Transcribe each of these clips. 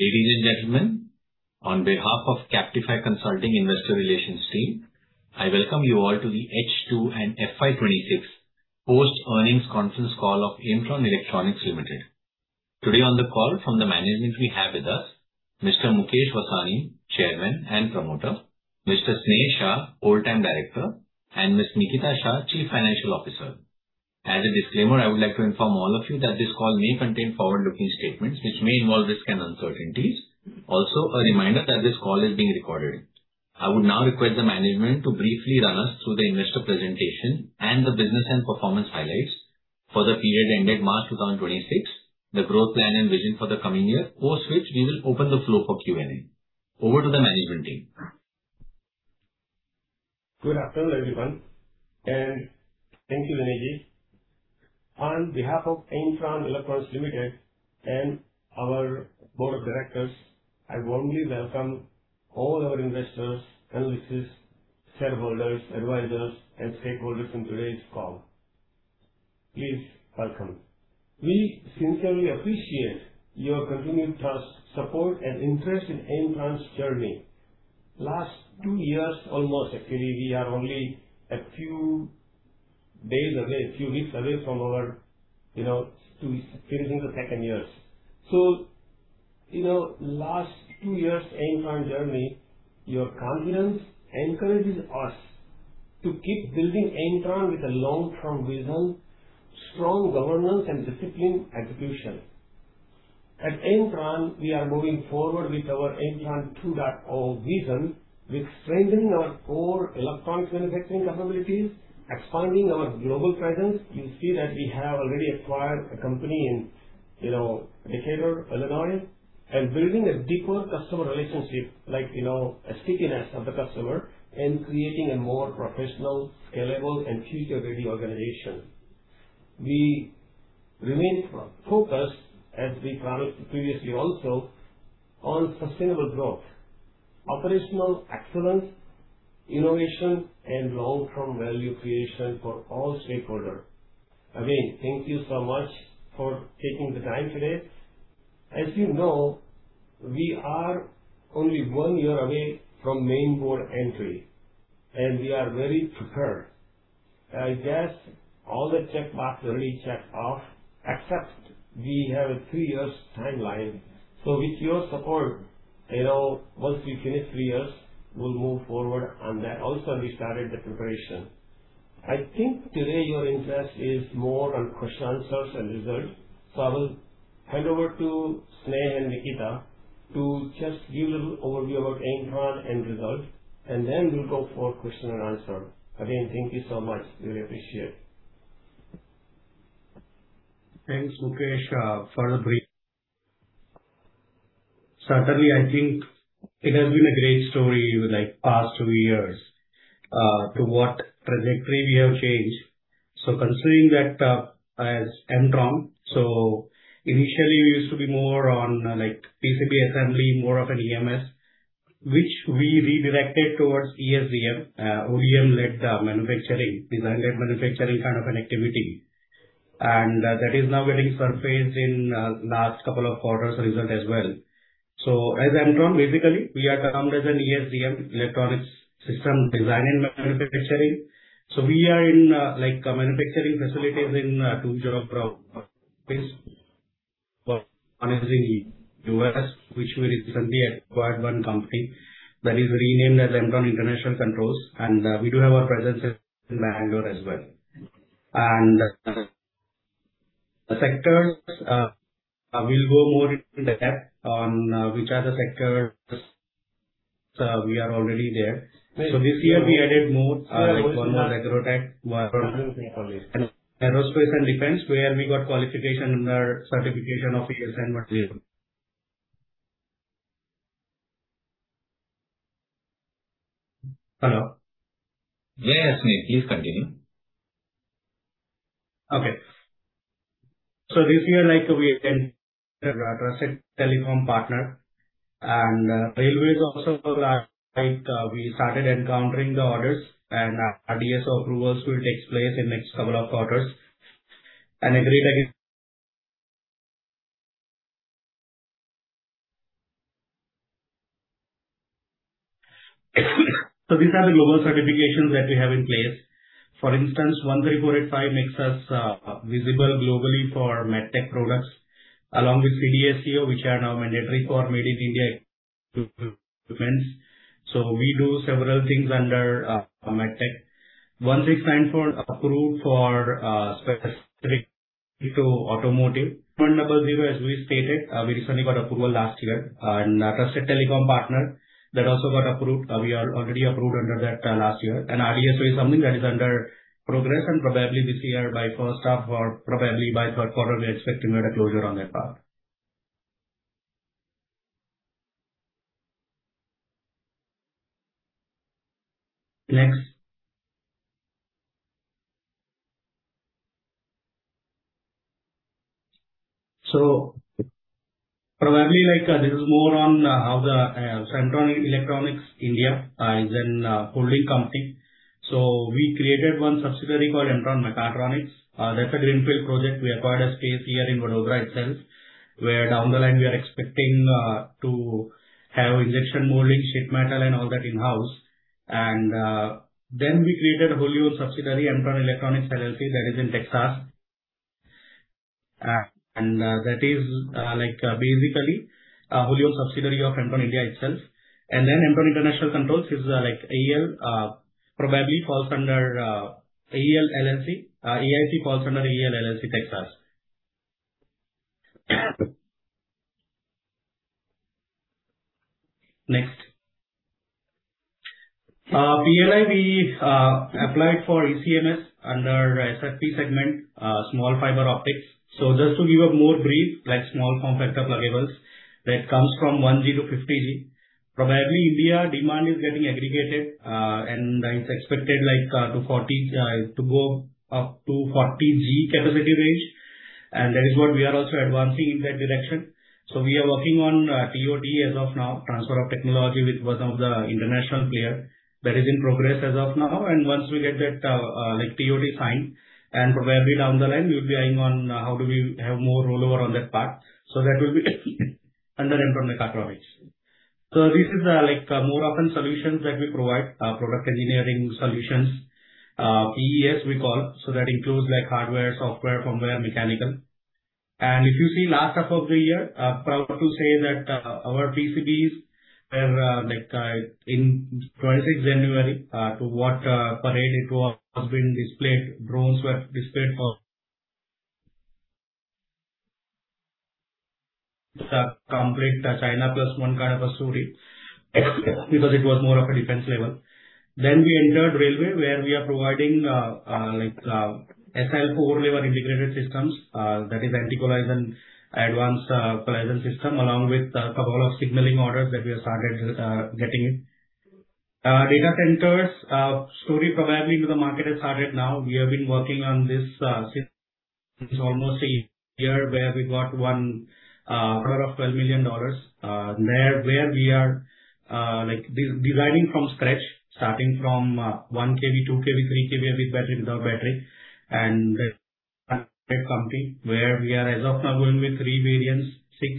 Ladies and gentlemen, on behalf of Captify Consulting Investor Relations team, I welcome you all to the H2 and FY 2026 post-earnings conference call of Aimtron Electronics Limited. Today on the call from the management we have with us Mr. Mukesh Vasani, Chairman and promoter, Mr. Sneh Shah, Whole-time Director, and Ms. Nikita Shah, Chief Financial Officer. As a disclaimer, I would like to inform all of you that this call may contain forward-looking statements, which may involve risks and uncertainties. Also, a reminder that this call is being recorded. I would now request the management to briefly run us through the investor presentation and the business and performance highlights for the period ended March 2026, the growth plan and vision for the coming year, post which we will open the floor for Q&A. Over to the management team. Good afternoon, everyone, and thank you, Vijay. On behalf of Aimtron Electronics Limited and our board of directors, I warmly welcome all our investors, analysts, shareholders, advisors, and stakeholders on today's call. Please welcome. We sincerely appreciate your continued trust, support, and interest in Aimtron's journey. Last two years almost, actually, we are only a few days away, a few weeks away from finishing the second years. Last two years Aimtron journey, your confidence encourages us to keep building Aimtron with a long-term vision, strong governance, and disciplined execution. At Aimtron, we are moving forward with our Aimtron 2.0 vision, with strengthening our core electronics manufacturing capabilities, expanding our global presence. You see that we have already acquired a company in Decatur, Illinois. And building a deeper customer relationship like a stickiness of the customer and creating a more professional, scalable, and future-ready organization. We remain focused, as we promised previously also, on sustainable growth, operational excellence, innovation, and long-term value creation for all stakeholders. Again, thank you so much for taking the time today. As you know, we are only one year away from main board entry, and we are very prepared. I guess all the checkbox already checked off, except we have a three years timeline. With your support, once we finish three years, we will move forward on that. We started the preparation. I think today your interest is more on question, answers, and results. I will hand over to Sneh and Nikita to just give a little overview about Aimtron end result, and then we will go for question and answer. Again, thank you so much. We appreciate. Thanks, Mukesh, for the brief. Certainly, I think it has been a great story, past three years, to what trajectory we have changed. Considering that as Aimtron, initially we used to be more on PCB assembly, more of an EMS, which we redirected towards ESDM, OEM-led manufacturing, design-led manufacturing kind of an activity. And that is now getting surfaced in last couple of quarters result as well. As Aimtron, basically, we are termed as an ESDM, Electronics System Design and Manufacturing. We are in manufacturing facilities in two geographic place. One is in U.S., which we recently acquired one company that is renamed as Aimtron International Controls, and we do have our presence in Bangalore as well. Sectors, we will go more into depth on which are the sectors we are already there. This year we added more, like one was agrotech, one aerospace and defense, where we got qualification under certification of AS9100. Hello. Yes, Sneh. Please continue. Okay. This year, we entered trusted telecom partner and railways also last week we started encountering the orders, and our DSO approvals will takes place in next couple of quarters. Agreed again. These are the global certifications that we have in place. For instance, 13485 makes us visible globally for med tech products, along with CDSCO, which are now mandatory for Made in India equipments. We do several things under med tech. 16949 approved for specific to automotive. 20 number three, as we stated, we recently got approval last year. Trusted telecom partner, that also got approved. We are already approved under that last year. RDSO is something that is under progress and probably this year by first half or probably by third quarter, we're expecting a closure on that part. Next. Probably this is more on how the Aimtron Electronics India is an holding company. We created one subsidiary called Aimtron Mechatronics. That's a Greenfield project we acquired a space here in Vadodara itself, where down the line we are expecting to have injection molding, sheet metal, and all that in-house. Then we created a wholly-owned subsidiary, Aimtron Electronics LLC, that is in Texas. That is basically a wholly-owned subsidiary of Aimtron India itself. Then Aimtron International Controls is like AEL, probably falls under AEL LLC. AIC falls under AEL LLC, Texas. Next. PLI, we applied for ECMS under SFOP segment, small fiber optics. Just to give a more brief, like Small Form-factor Pluggable that comes from 1 G to 50 G. Probably India demand is getting aggregated, and it is expected to go up to 40 G capacity range, and that is what we are also advancing in that direction. We are working on ToT as of now, transfer of technology with one of the international player that is in progress as of now, and once we get that ToT signed and probably down the line, we will be eyeing on how do we have more rollover on that part. That will be under Aimtron Electronics. This is more often solutions that we provide, product engineering solutions. PES, we call, so that includes hardware, software, firmware, mechanical. If you see last August the year, proud to say that our PCBs were, in 26 January, to what parade it was been displayed, drones were displayed for The complete China plus one kind of a story, because it was more of a defense level. Then we entered railway, where we are providing SIL 4 level integrated systems, that is anti-collision, advanced collision system, along with a couple of signaling orders that we have started getting in. Data centers, story probably into the market has started now. We have been working on this since almost a year, where we got one order of $12 million, where we are designing from scratch, starting from 1 KV, 2 KV, 3 KV with battery, without battery, and company where we are, as of now, going with 3 variants, 6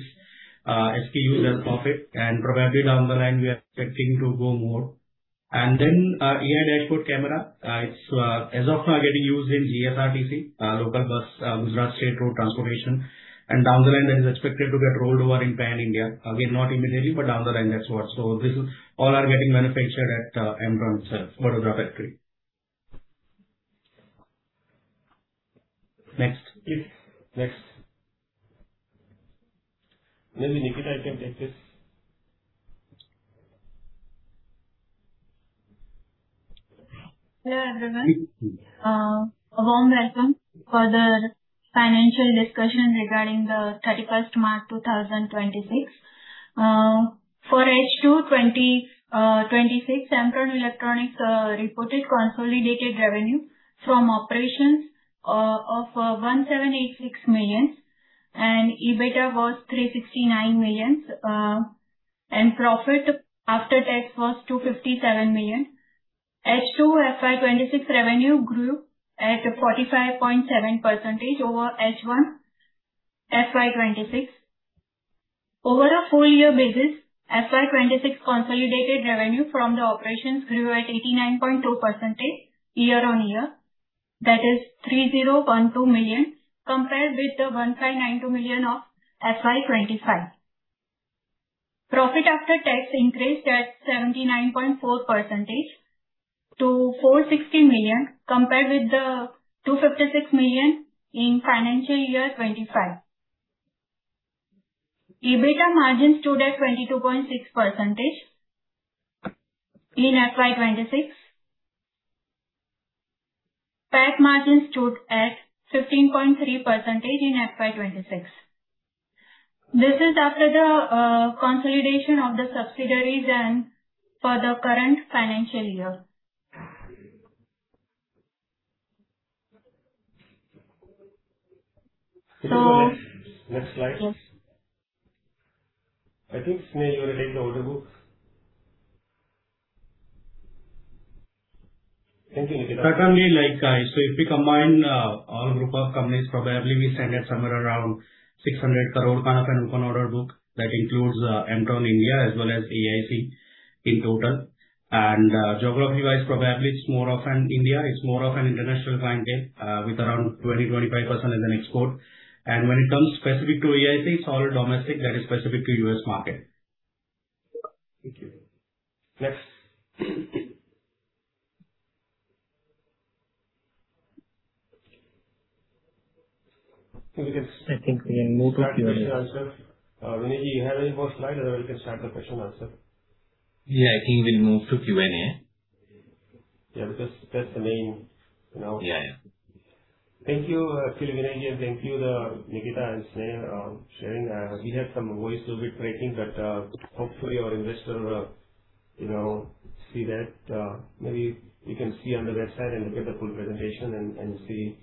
SKUs as of it, and probably down the line, we are expecting to go more. Then AI dashboard camera. It is, as of now, getting used in GSRTC, local bus, Gujarat State Road Transport Corporation. Down the line, that is expected to get rolled over in PAN India. Again, not immediately, but down the line, that is what. So this is all are getting manufactured at Aimtron itself, Vadodara factory. Next, please. Next. Maybe Nikita can take this. Hello, everyone. A warm welcome for the financial discussion regarding the 31st March 2026. For H2 FY 2026, Aimtron Electronics reported consolidated revenue from operations of $1,786 million, and EBITDA was $369 million, and profit after tax was $257 million. H2 FY 2026 revenue grew at a 45.7% over H1 FY 2026. Over a full year basis, FY 2026 consolidated revenue from the operations grew at 89.2% year-on-year. That is $3,012 million, compared with the $1,592 million of FY 2025. Profit after tax increased at 79.4% to $460 million, compared with the $256 million in financial year 2025. EBITDA margin stood at 22.6% in FY 2026. PAT margin stood at 15.3% in FY 2026. This is after the consolidation of the subsidiaries and for the current financial year. Next slide, please. I think, Sneha, you want to take the order book? Thank you, Nikita. Currently, if we combine all group of companies, probably we stand at somewhere around 600 crore kind of an open order book. That includes Aimtron India as well as AIC in total. Geography-wise, probably it's more of an India, it's more of an international clientele, with around 20%-25% as an export. When it comes specific to AIC, it's all domestic that is specific to U.S. market. Thank you. Next. I think we can move to Q&A. Start the question answer. Vinay, you have any more slide, or we can start the question answer? Yeah, I think we'll move to Q&A. Yeah, because that's the main Yeah. Thank you, Vinay. Thank you, Nikita and Sneha, sharing. We have some voice little bit breaking. Hopefully our investor will see that. Maybe you can see on the website and look at the full presentation and see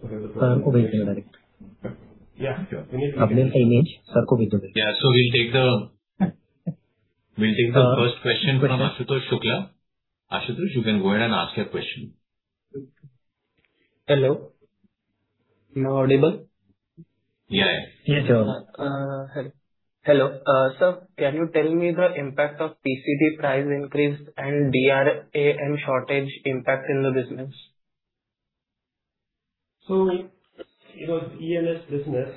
whatever Sir, open direct. Yeah. Open image. Sir Yeah. We'll take the first question from Ashutosh Shukla. Ashutosh, you can go ahead and ask your question. Hello Am I audible? Yeah. Yes, sir. Hello. Sir, can you tell me the impact of PCB price increase and DRAM shortage impact in the business? ENS business.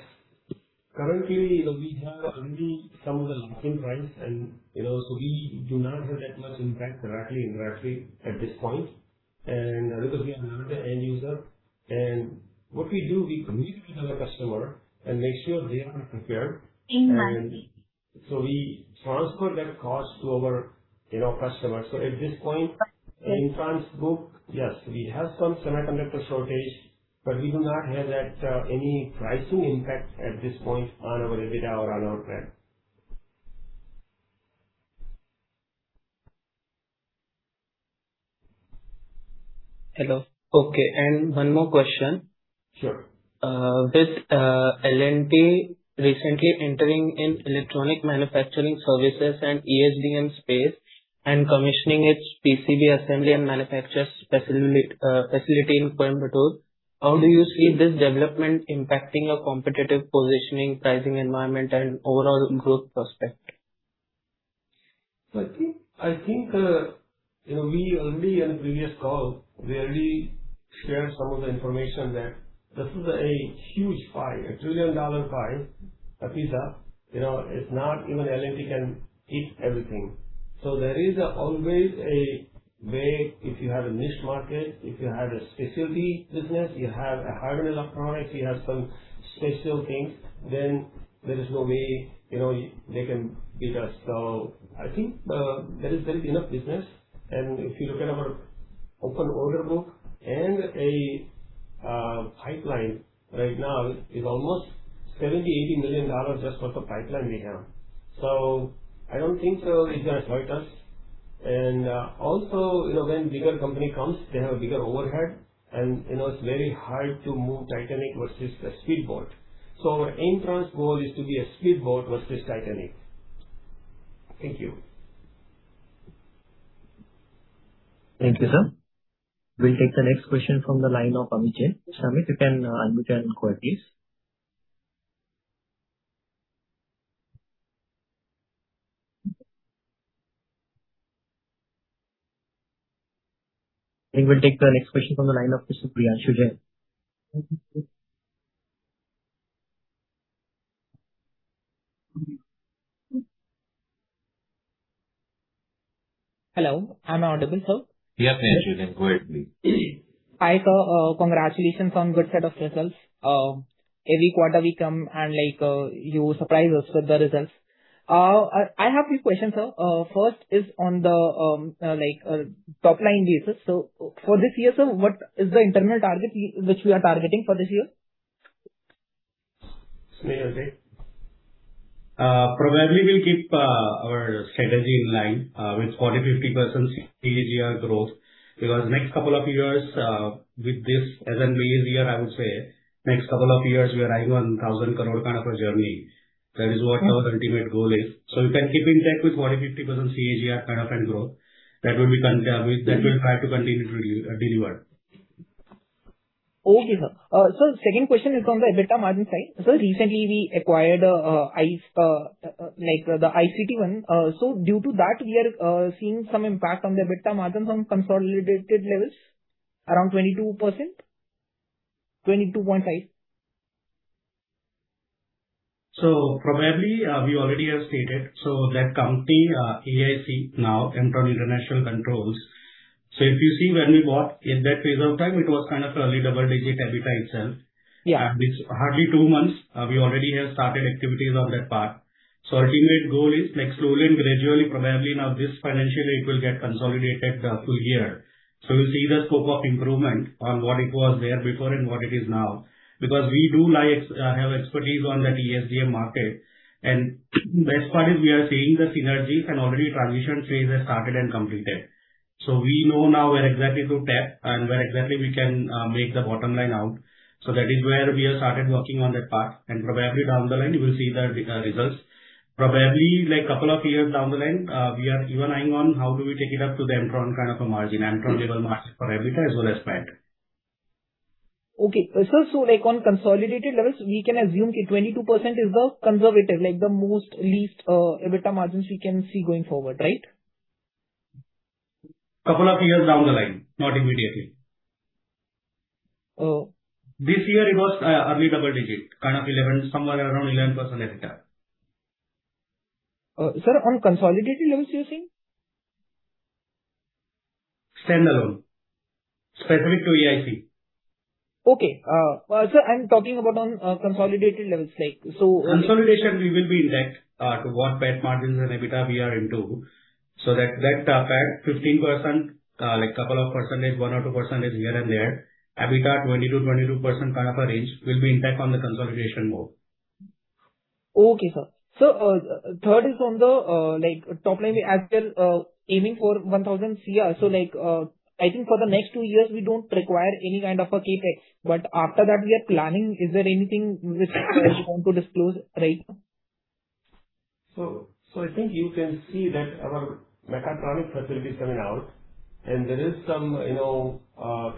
Currently, we have already some of the locking price, we do not have that much impact directly at this point. Because we are not the end user. What we do, we communicate with our customer and make sure they are prepared. We transfer that cost to our customer. At this point, in France book, yes, we have some semiconductor shortage, but we do not have any pricing impact at this point on our EBITDA or on our PAT. Hello. Okay, one more question. Sure. With L&T recently entering in electronic manufacturing services and ESDM space and commissioning its PCB assembly and manufacture facility in Coimbatore, how do you see this development impacting your competitive positioning, pricing environment, and overall growth prospect? I think, we already shared some of the information there. This is a huge pie, a trillion-dollar pie, a pizza. It's not even L&T can eat everything. There is always a way if you have a niche market, if you have a specialty business, you have a hybrid electronic, you have some special things, then there is no way they can beat us. I think there is enough business, and if you look at our open order book and a pipeline right now is almost INR 70 million-INR 80 million just for the pipeline we have. I don't think so it's going to hurt us. Also, when bigger company comes, they have a bigger overhead, and it's very hard to move Titanic versus a speed boat. Our entrance goal is to be a speed boat versus Titanic. Thank you. Thank you, sir. We'll take the next question from the line of Amit J. Amit, you can unmute and go ahead, please. We'll take the next question from the line of Supriya Sujay. Hello, am I audible, sir? Yes, Supriya. Go ahead, please. Hi, sir. Congratulations on good set of results. Every quarter we come and you surprise us with the results. I have few questions, sir. First is on the top-line basis. For this year, sir, what is the internal target which we are targeting for this year? Sanjay. Probably we'll keep our strategy in line with 40%-50% CAGR growth. Next couple of years with this as a base year, I would say next couple of years, we are eyeing on 1,000 crore kind of a journey. That is what our ultimate goal is. We can keep in check with 40%-50% CAGR kind of growth. That will try to continue to deliver. Okay, sir. Sir, second question is on the EBITDA margin side. Sir, recently we acquired the ICS one. Due to that, we are seeing some impact on the EBITDA margin from consolidated levels around 22.5%. Probably, we already have stated, that company, AIC now, Aimtron International Controls. If you see when we bought in that phase of time, it was kind of early double-digit EBITDA itself. Yeah. At this hardly two months, we already have started activities on that part. Ultimate goal is next to and gradually, probably now this financial it will get consolidated full year. We'll see the scope of improvement on what it was there before and what it is now. Because we do have expertise on that ESDM market. Best part is we are seeing the synergies and already transition phase has started and completed. We know now where exactly to tap and where exactly we can make the bottom line out. That is where we have started working on that part. Probably down the line, you will see the results. Probably couple of years down the line, we are even eyeing on how do we take it up to the Aimtron kind of a margin. Aimtron level margin for EBITDA as well as PAT. Okay. Sir, on consolidated levels, we can assume 22% is the conservative, like the most least EBITDA margins we can see going forward, right? Couple of years down the line, not immediately. Oh. This year it was early double digit, kind of 11, somewhere around 11% EBITDA. Sir, on consolidated levels, you're saying? Standalone. Specific to AIC. Okay. Sir, I'm talking about on consolidated levels. Consolidation, we will be intact to what PAT margins and EBITDA we are into. That PAT 15%, like couple of percentage, one or two percentage here and there. EBITDA 20%-22% kind of a range will be intact on the consolidation more. Okay, sir. Sir, third is on the top line as well, aiming for 1,000 crore. I think for the next two years, we don't require any kind of a CapEx, but after that, we are planning. Is there anything which you want to disclose right now? I think you can see that our Mechatronics facility is coming out and there is some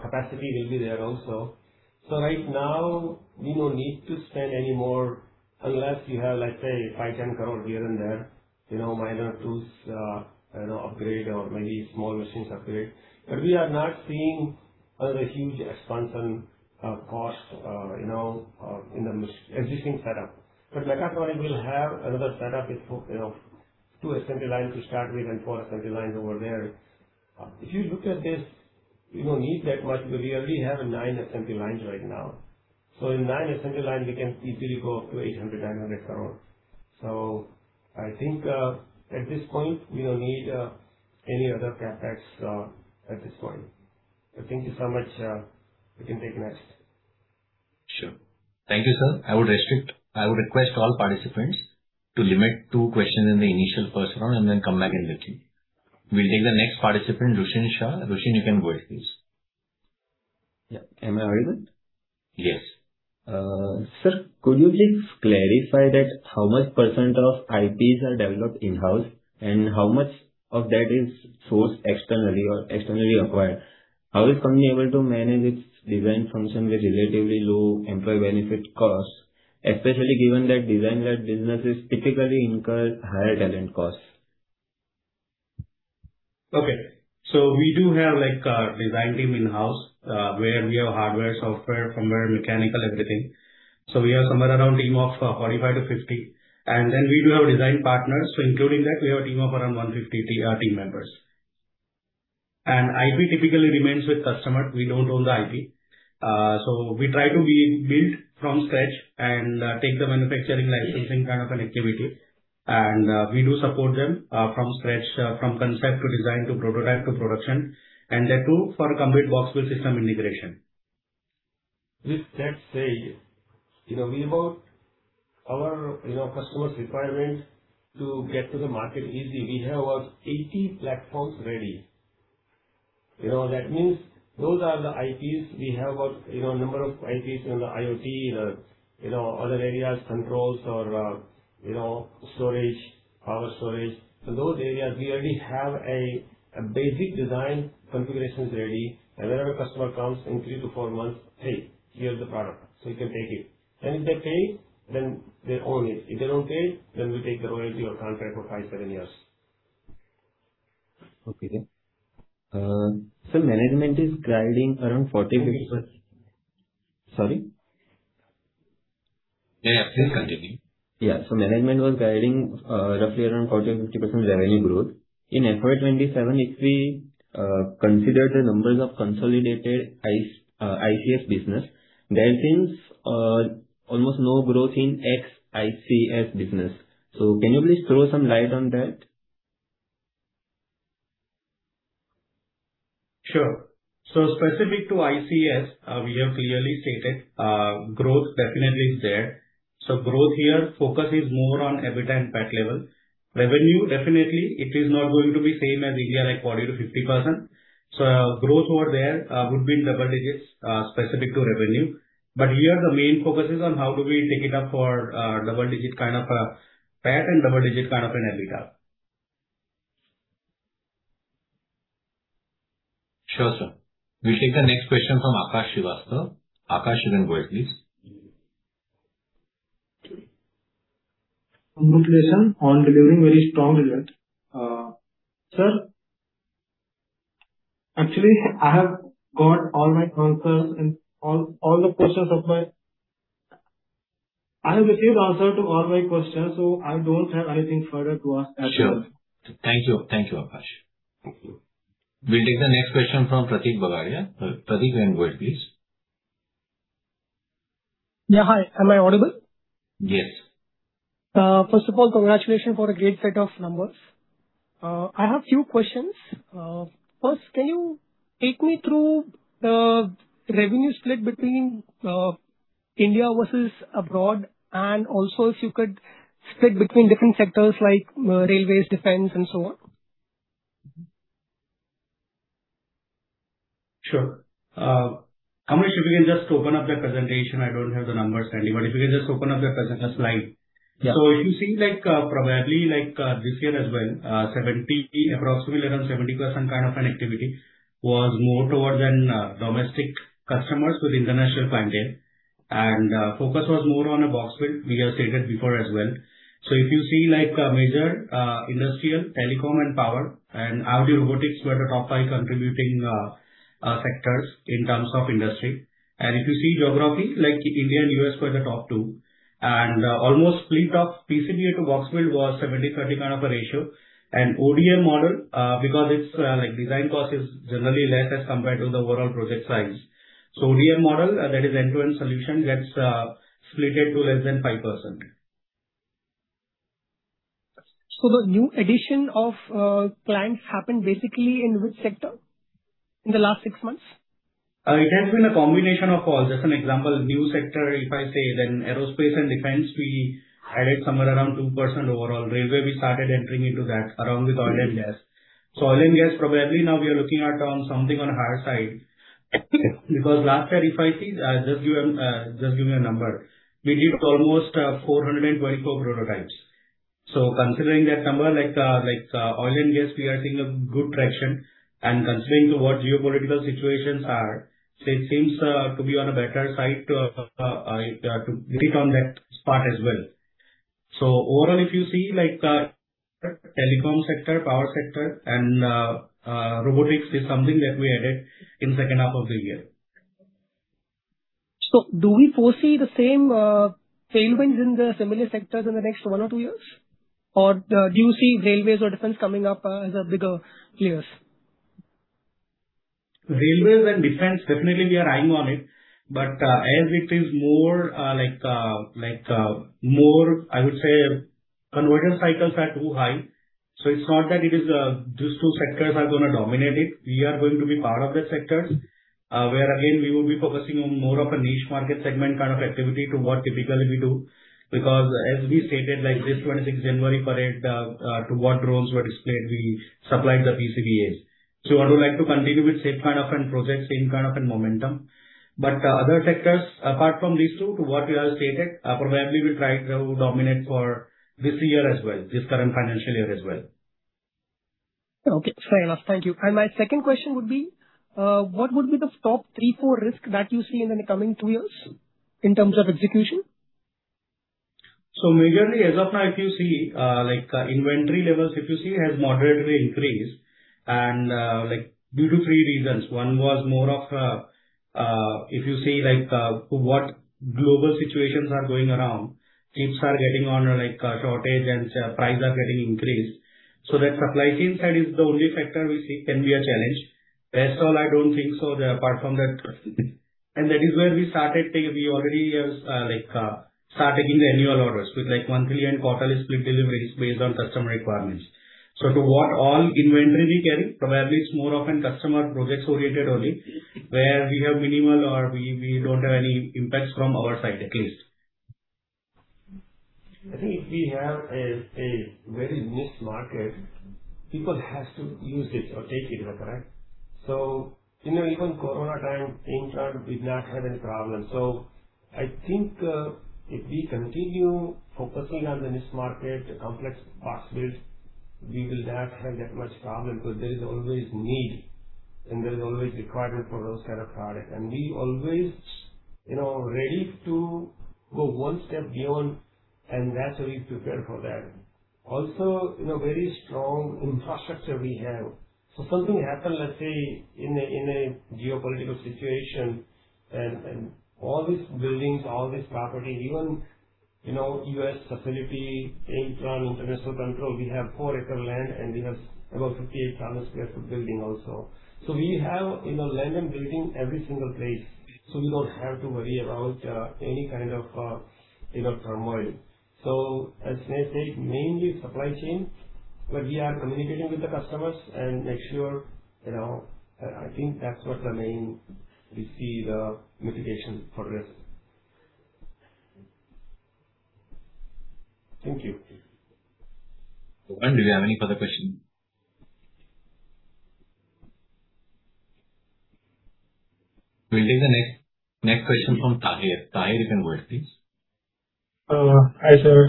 capacity will be there also. Right now we don't need to spend any more unless we have like, say, 5 crore, 10 crore here and there. Minor tools upgrade or maybe small machines upgrade. We have not seen another huge expansion cost in the existing setup. Mechatronics will have another setup. It took two assembly lines to start with and four assembly lines over there. If you look at this, we don't need that much because we already have nine assembly lines right now. In nine assembly lines, we can easily go up to 800-900 crore. I think at this point, we don't need any other CapEx at this point. Thank you so much. We can take next. Sure. Thank you, sir. I would request all participants to limit two questions in the initial first round and then come back in the queue. We'll take the next participant, Roshan Shah. Roshan, you can go ahead, please. Yeah. Am I audible? Yes. Sir, could you please clarify that how much % of IPs are developed in-house and how much of that is sourced externally or externally acquired? How is company able to manage its design function with relatively low employee benefit costs, especially given that design-led businesses typically incur higher talent costs? Okay. We do have a design team in-house, where we have hardware, software, firmware, mechanical, everything. We have somewhere around team of 45-50. Then we do have design partners, including that, we have a team of around 150 team members. IP typically remains with customer. We don't own the IP. We try to build from scratch and take the manufacturing licensing kind of an activity. We do support them from scratch, from concept to design to prototype to production, and that too for a complete box build system integration. With that said, we have our customers' requirements to get to the market easily. We have our 80 platforms ready. That means those are the IPs we have a number of IPs on the IoT, other areas, controls or storage, power storage. Those areas, we already have a basic design configurations ready, and whenever customer comes in 3-4 months, say, "Here's the product," you can take it. If they pay, then they own it. If they don't pay, then we take the royalty or contract for five, seven years. Okay. Sir, management is guiding around 40-50%. Sorry. Yeah, please continue. Yeah. Management was guiding roughly around 40% or 50% revenue growth. In FY 2027, if we consider the numbers of consolidated ICS business, there seems almost no growth in ex-ICS business. Can you please throw some light on that? Sure. Specific to ICS, we have clearly stated, growth definitely is there. Growth here focus is more on EBITDA and PAT level. Revenue, definitely it is not going to be same as India like 40%-50%. Growth over there would be in double digits, specific to revenue. Here the main focus is on how do we take it up for double digit kind of a PAT and double digit kind of an EBITDA. Sure, sir. We take the next question from Akash Srivastav. Akash, you can go ahead, please. Congratulations on delivering very strong results. Sir, actually, I have received answer to all my questions, I don't have anything further to ask at the moment. Sure. Thank you, Akash. We'll take the next question from Pratik Bagaria. Pratik, you can go ahead, please. Yeah. Hi, am I audible? Yes. First of all, congratulations for a great set of numbers. I have few questions. First, can you take me through the revenue split between India versus abroad and also if you could split between different sectors like railways, defense, and so on? Sure. Amish, if you can just open up the presentation. I do not have the numbers handy, but if you can just open up the presentation slide. Yeah. If you see probably this year as well, approximately around 70% kind of an activity was more towards domestic customers with international clientele. Focus was more on a box build, we have stated before as well. If you see major industrial, telecom and power and auto robotics were the top five contributing sectors in terms of industry. If you see geography, like India and U.S. were the top two. Almost split of PCBA to box build was 70/30 kind of a ratio. ODM model, because its design cost is generally less as compared to the overall project size. ODM model, that is end-to-end solution, gets splitted to less than 5%. The new addition of clients happened basically in which sector in the last six months? It has been a combination of all. Just an example, new sector, if I say, then aerospace and defense, we highlight somewhere around 2% overall. Railway, we started entering into that around with oil and gas. Oil and gas, probably now we are looking at something on higher side because last year if I see, just give me a number. We did almost 424 prototypes. Considering that number, like oil and gas, we are seeing a good traction. Considering what geopolitical situations are, it seems to be on a better side to on that part as well. Overall, if you see our telecom sector, power sector and robotics is something that we added in the second half of the year. Do we foresee the same tailwinds in the similar sectors in the next one or two years? Do you see railways or defense coming up as bigger players? Railways and defense, definitely we are eyeing on it. As it is more, I would say, conversion cycles are too high. It's not that these two sectors are going to dominate it. We are going to be part of the sectors, where again, we will be focusing on more of a niche market segment kind of activity to what typically we do. Because as we stated this 26th January for it, to what roles were displayed, we supplied the PCBAs. I would like to continue with same kind of projects, same kind of momentum. Other sectors, apart from these two, to what we have stated, probably we will try to dominate for this year as well, this current financial year as well. Okay, fair enough. Thank you. My second question would be, what would be the top three, four risks that you see in the coming two years in terms of execution? Majorly as of now, if you see our inventory levels, has moderately increased and due to three reasons. One was more of, to what global situations are going around, chips are getting on a shortage and prices are getting increased. That supply chain side is the only factor we see can be a challenge. Rest all, I don't think so apart from that. That is where we started taking the annual orders, with monthly and quarterly split deliveries based on customer requirements. To what all inventory we carry, probably it's more of an customer projects-oriented only, where we have minimal or we don't have any impacts from our side, at least. I think if we have a very niche market, people have to use it or take it. Is that correct? Even during corona time, Aimtron did not have any problem. I think if we continue focusing on the niche market, the complex box builds, we will not have that much problem because there is always need and there is always requirement for those kind of products. We always ready to go one step beyond, and that's why we prepared for that. Also, very strong infrastructure we have. Something happen, let's say in a geopolitical situation and all these buildings, all these properties, even U.S. facility, Aimtron International Controls, we have four acre land and we have about 58,000 sq ft building also. We have land and building every single place. We don't have to worry about any kind of turmoil. As I said, mainly supply chain. We are communicating with the customers and make sure. I think that's what the main we see the mitigation for risk. Thank you. Do we have any further questions? We will take the next question from Tahir. Tahir, you can go ahead, please. Hi, sir.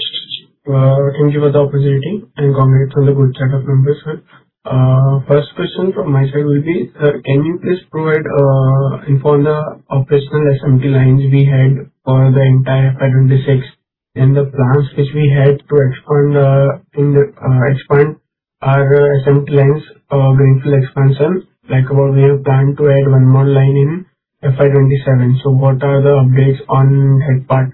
Thank you for the opportunity and congratulations on the good set of numbers, sir. First question from my side will be, sir, can you please provide info on the operational SMT lines we had for the entire FY 2026, and the plans which we had to expand our SMT lines, Greenfield expansion. Like how we have planned to add one more line in FY 2027. What are the updates on that part?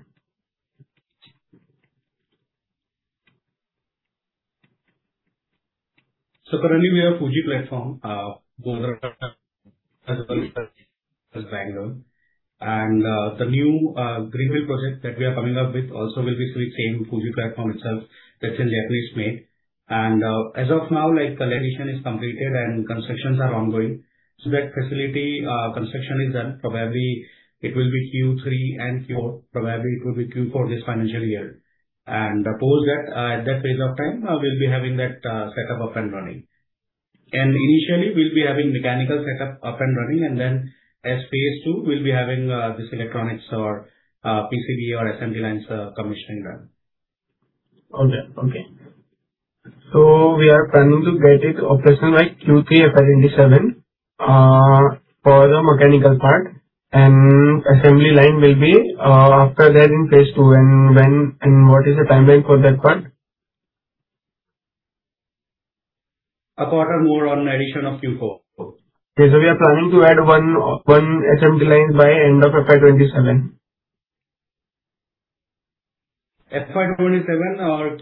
Currently we have Fuji platform, in Bangalore. The new Greenfield project that we are coming up with also will be through same Fuji platform itself that is in Jakkur Lake. As of now, land acquisition is completed and constructions are ongoing. That facility construction is done. Probably it will be Q3 and Q4, probably it will be Q4 this financial year. Suppose that at that phase of time, we will be having that setup up and running. Initially, we will be having mechanical setup up and running, and then as phase 2, we will be having this electronics or PCB or assembly lines commissioning done. Okay. We are planning to get it operational by Q3 FY 2027 for the mechanical part. Assembly line will be after that in phase 2. What is the timeline for that part? A quarter more on addition of Q4. Okay. We are planning to add one SMT line by end of FY 2027. FY 2027 or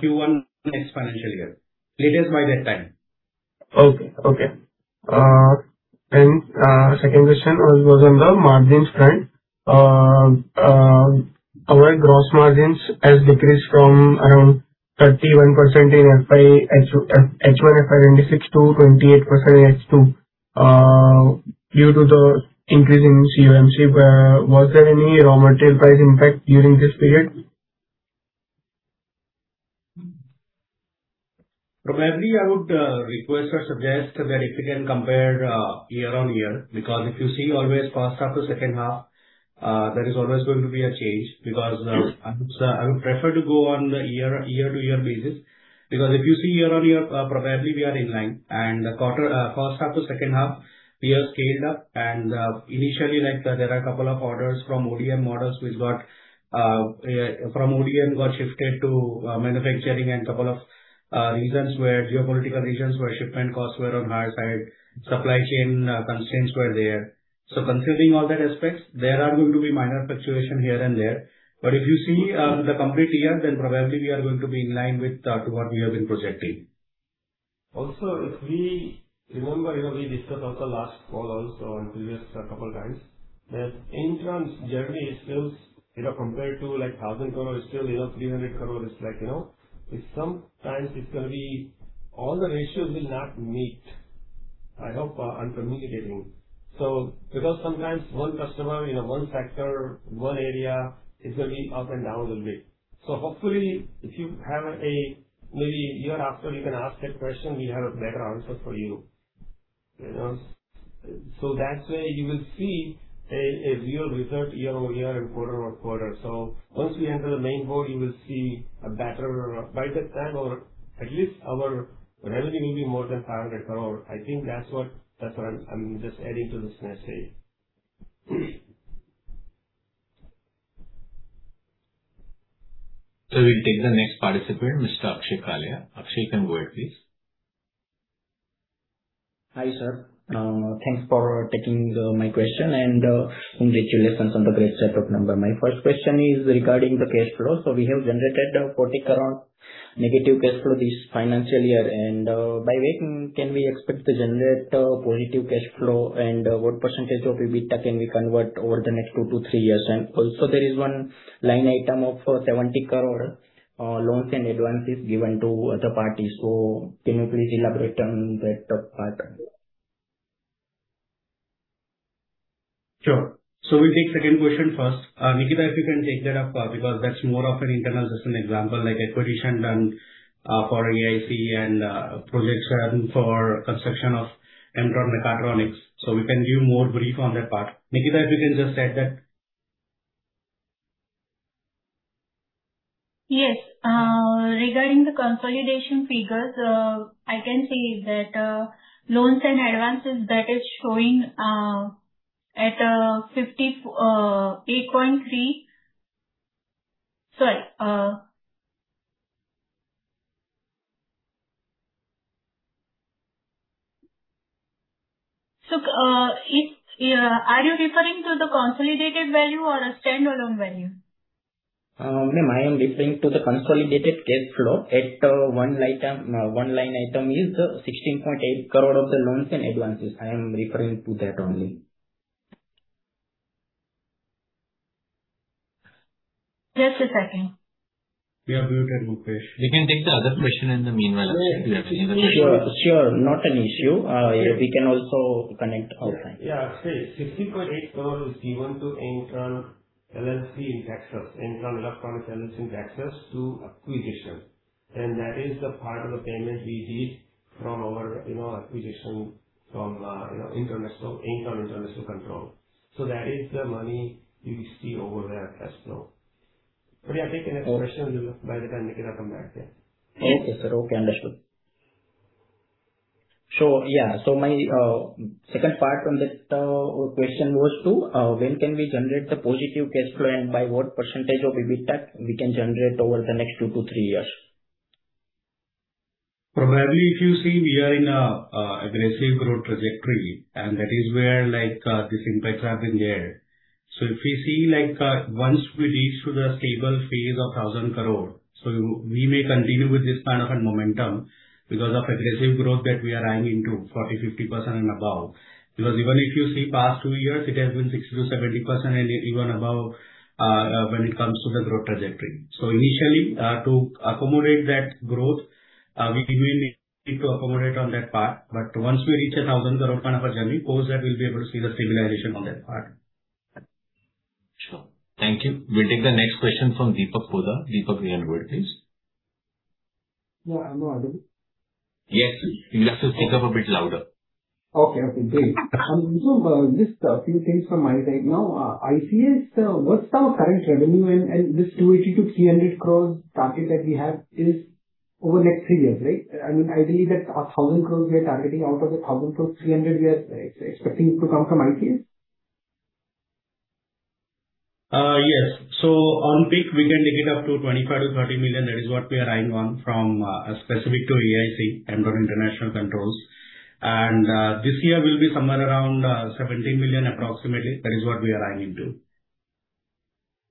Q1 next financial year. Latest by that time. Okay. Second question was on the margins front. Our gross margins has decreased from around 31% in H1 FY 2026 to 28% in H2 due to the increase in COGS. Was there any raw material price impact during this period? Probably I would request or suggest that if you can compare year-on-year. If you see always first half to second half, there is always going to be a change. I would prefer to go on the year-to-year basis. If you see year-on-year, probably we are in line, and first half to second half, we have scaled up. Initially there are a couple of orders from ODM models which from ODM got shifted to manufacturing, and a couple of geopolitical reasons where shipment costs were on the higher side, supply chain constraints were there. Considering all those aspects, there are going to be minor fluctuations here and there. If you see the complete year, then probably we are going to be in line with what we have been projecting. If we remember, we discussed on the last call and previous couple of times, that Aimtron generally is still compared to 1,000 crore is still 300 crore is like, sometimes it's going to be all the ratios will not meet. I hope I'm communicating. Sometimes one customer, one sector, one area, it's going to be up and down a bit. Hopefully if you have maybe year after you can ask that question, we have a better answer for you. That way you will see a real result year-on-year and quarter-on-quarter. Once we enter the main board, you will see a better by that time or at least our revenue will be more than 500 crore. I think that's what I'm just adding to this message. We'll take the next participant, Mr. Akshay Kalia. Akshay, you can go ahead, please. Hi, sir. Thanks for taking my question and congratulations on the great set of numbers. My first question is regarding the cash flow. We have generated 40 crore negative cash flow this financial year. By when can we expect to generate positive cash flow, and what % of EBITDA can we convert over the next 2 to 3 years? Also there is one line item of 70 crore loans and advances given to other parties. Can you please elaborate on that part? Sure. We'll take second question first. Nikita, if you can take that up because that's more of an internal just an example like acquisition done for AIC and projects done for construction of Aimtron Mechatronics. We can give more brief on that part. Nikita, if you can just add that. Yes. Regarding the consolidation figures, I can say that, loans and advances, that is showing at 58.3. Sorry. Are you referring to the consolidated value or a standalone value? No, I am referring to the consolidated cash flow at one line item is 16.8 crore of the loans and advances. I am referring to that only. Just a second. We are muted, Mukesh. We can take the other question in the meanwhile. Sure. Not an issue. We can also connect offline. Akshay, 16.8 crore is given to Aimtron Electronics LLC in Texas, Aimtron Electronics LLC in Texas, to acquisition. That is the part of the payment we did from our acquisition from Aimtron International Controls. That is the money you see over there, cash flow. Take the next question. By the time Nikita come back. Yes, sir. Okay, understood. My second part on that question was to, when can we generate the positive cash flow and by what percentage of EBITDA we can generate over the next two to three years? Probably if you see, we are in a aggressive growth trajectory, that is where this impacts have been there. If you see once we reach to the stable phase of 1,000 crore, so we may continue with this kind of a momentum because of aggressive growth that we are eyeing into 40%, 50% and above. Because even if you see past two years, it has been 60%-70% and even above when it comes to the growth trajectory. Initially, to accommodate that growth, we may need to accommodate on that part, but once we reach a 1,000 crore kind of a journey post that we'll be able to see the stabilization on that part. Sure. Thank you. We'll take the next question from Deepak Hooda. Deepak, you can go ahead, please. No, I don't. Yes. You'll have to speak up a bit louder. Okay. Great. Just a few things from my side. Now, ICS, what's our current revenue and this 280 crore-300 crore target that we have is over next three years, right? I believe that 1,000 crore we are targeting. Out of the 1,000 crore, 300 crore we are expecting to come from ICS? Yes. On peak we can take it up to 25 million-30 million. That is what we are eyeing on from specific to AIC, Aimtron International Controls. This year we'll be somewhere around 17 million approximately. That is what we are eyeing into.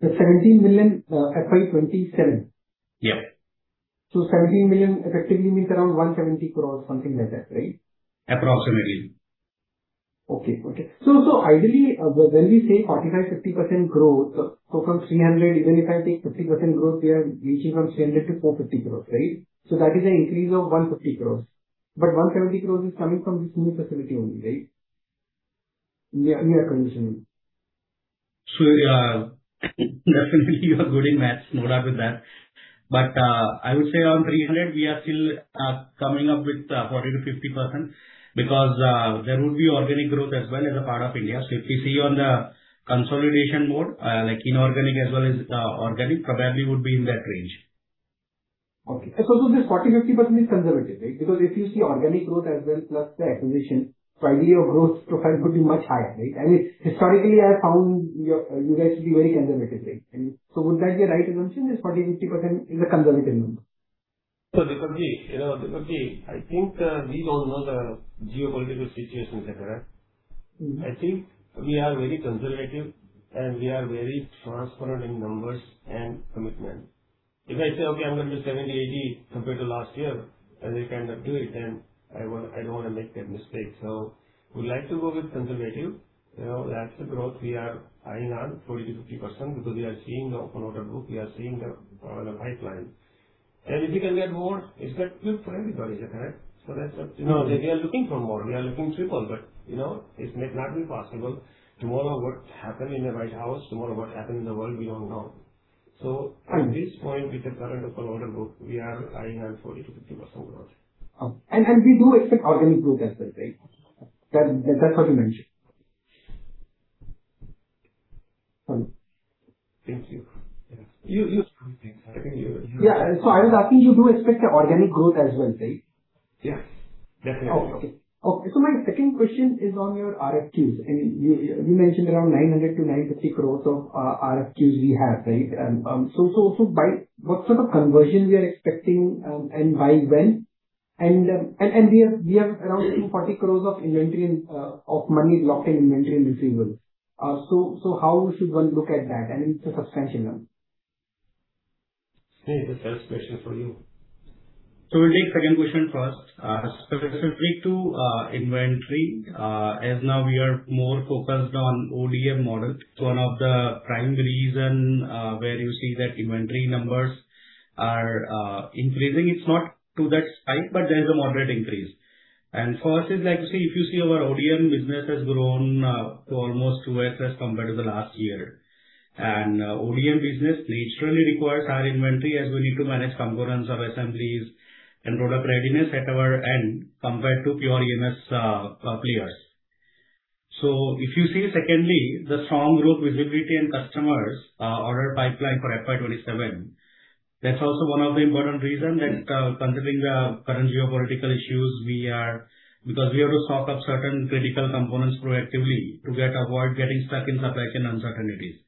The 17 million, FY 2027? Yeah. $17 million effectively means around 170 crore, something like that, right? Approximately. Ideally, when we say 45%, 50% growth, from 300, even if I take 50% growth, we are reaching from 300 to 450 crore, right? That is an increase of 150 crore. 170 crore is coming from this new facility only, right? Yeah, continuing. Sure. Definitely, you are good in maths, no doubt with that. I would say on 300, we are still coming up with 40%-50%, because there would be organic growth as well as a part of India. If we see on the consolidation mode, like inorganic as well as organic, probably would be in that range. This 40%, 50% is conservative, right? Because if you see organic growth as well plus the acquisition, ideally your growth profile would be much higher, right? I mean, historically, I found you guys to be very conservative. Would that be a right assumption, this 40%, 50% is a conservative number? Deepakji, I think we all know the geopolitical situation, et cetera. I think we are very conservative, we are very transparent in numbers and commitment. If I say, "Okay, I'm going to do 70, 80 compared to last year," and we cannot do it, then I don't want to make that mistake. We'd like to go with conservative. That's the growth we are eyeing on, 40%-50%, because we are seeing the open order book, we are seeing the pipeline. If we can get more, it's good for everybody. Correct? That's what We are looking for more. We are looking triple, but it may not be possible. Tomorrow, what happen in the White House, tomorrow what happen in the world, we don't know. At this point, with the current open order book, we are eyeing on 40%-50% growth. We do expect organic growth as well, right? That's what you mentioned. Sorry. Thank you. Yeah. Yeah. I was asking, you do expect organic growth as well, right? Yes, definitely. Okay. My second question is on your RFQs. You mentioned around 900 crore-950 crore of RFQs you have, right? What sort of conversion we are expecting, and by when? We have around 240 crore of money locked in inventory and receivables. How should one look at that? I mean, it's a substantial amount. Hey, that's first question for you. We'll take second question first. Specifically to inventory, as now we are more focused on ODM model. One of the prime reason where you see that inventory numbers are increasing, it's not to that spike, but there's a moderate increase. For us, if you see our ODM business has grown to almost 2x as compared to the last year. ODM business naturally requires high inventory as we need to manage components of assemblies and product readiness at our end, compared to pure EMS players. If you see secondly, the strong growth visibility and customers order pipeline for FY 2027, that's also one of the important reason that considering the current geopolitical issues, because we have to stock up certain critical components proactively to avoid getting stuck in supply chain uncertainties.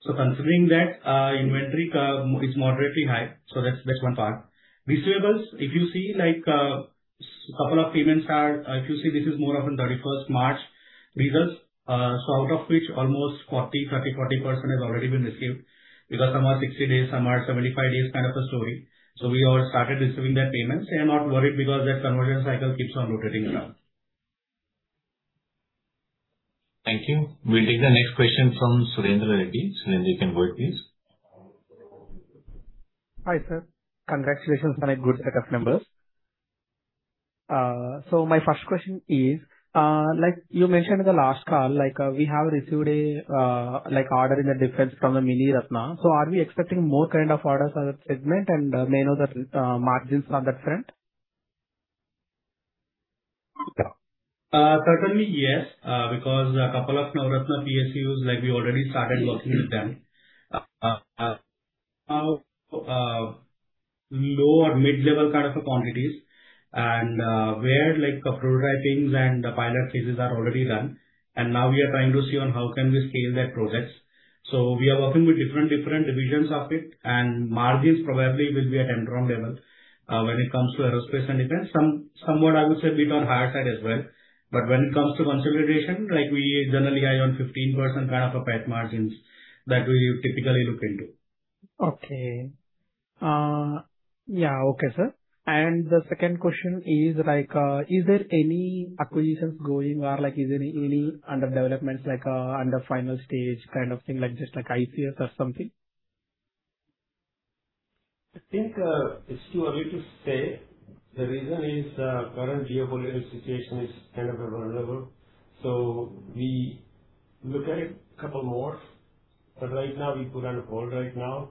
Considering that, inventory is moderately high. That's one part. Receivables, If you see, this is more of a 31st March results. Out of which almost 30%-40% has already been received because some are 60 days, some are 75 days kind of a story. We all started receiving that payment. I'm not worried because that conversion cycle keeps on rotating around. Thank you. We'll take the next question from Surendra Reddy. Surendra, you can go ahead, please. Hi, sir. Congratulations on a good set of numbers. My first question is, you mentioned in the last call, we have received a order in the defense from the Miniratna. Are we expecting more kind of orders on that segment, and may know the margins on that front? Certainly, yes. A couple of Navratna PSUs, we already started working with them. Low or mid-level kind of quantities, and where prototypings and pilot phases are already done. Now we are trying to see on how can we scale their projects. We are working with different divisions of it, and margins probably will be at Aimtron level, when it comes to aerospace and defense. Somewhat, I would say bit on higher side as well. When it comes to consolidation, we generally eye on 15% kind of a PAT margins that we typically look into. Okay. Yeah, okay, sir. The second question is there any acquisitions going or is there any under developments, under final stage kind of thing, just like ICS or something? I think it's too early to say. The reason is current geopolitical situation is kind of vulnerable. We look at it couple more, but right now we put on hold right now.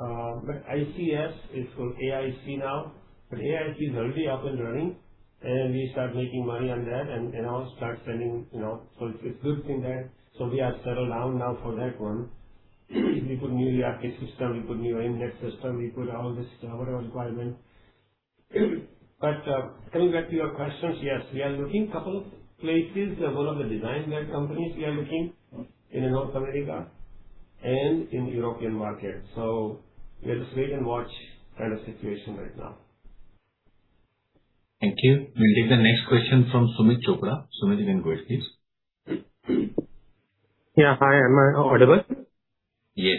ICS is called AIC now. AIC is already up and running, and we start making money on that and all start selling. It's a good thing there. We are settled down now for that one. We put new ERP system, we put new index system, we put all this, whatever requirement. Coming back to your questions, yes, we are looking couple of places. One of the design lab companies we are looking in North America and in European market. We have to wait and watch kind of situation right now. Thank you. We'll take the next question from Sumit Chopra. Sumit, you can go ahead, please. Yeah. Hi. Am I audible? Yes.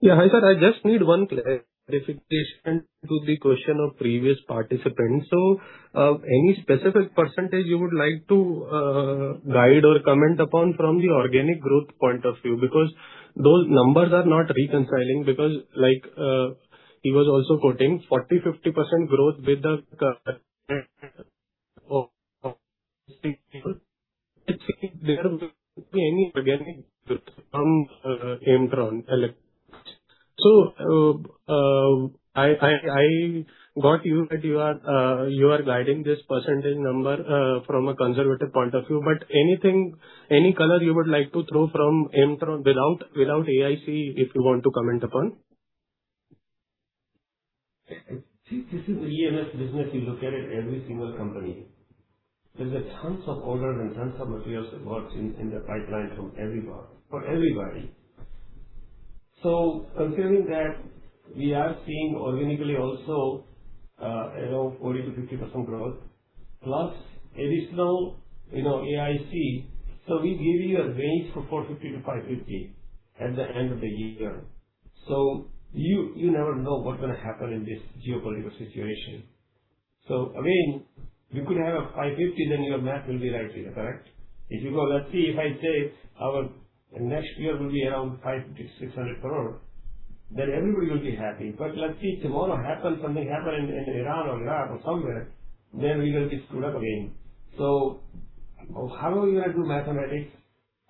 Yeah. Hi, sir. I just need one clarification to the question of previous participant. Any specific percentage you would like to guide or comment upon from the organic growth point of view. Because those numbers are not reconciling because he was also quoting 40%, 50% growth with the any organic growth from Aimtron Electronics. I got you that you are guiding this percentage number from a conservative point of view. Any color you would like to throw from Aimtron without AIC, if you want to comment upon? See, this is the EMS business you look at every single company. There's a tons of orders and tons of materials at work in the pipeline from everywhere, for everybody. Considering that, we are seeing organically also around 40%-50% growth plus additional AIC. We give you a range from 450-550 at the end of the year. You never know what's going to happen in this geopolitical situation. Again, you could have a 550, your math will be right, correct? If you go, let's see, if I say our next year will be around 500 crore-600 crore, everybody will be happy. Let's see, tomorrow something happen in Iran or Iraq or somewhere, we will be screwed up again. How are we going to do mathematics?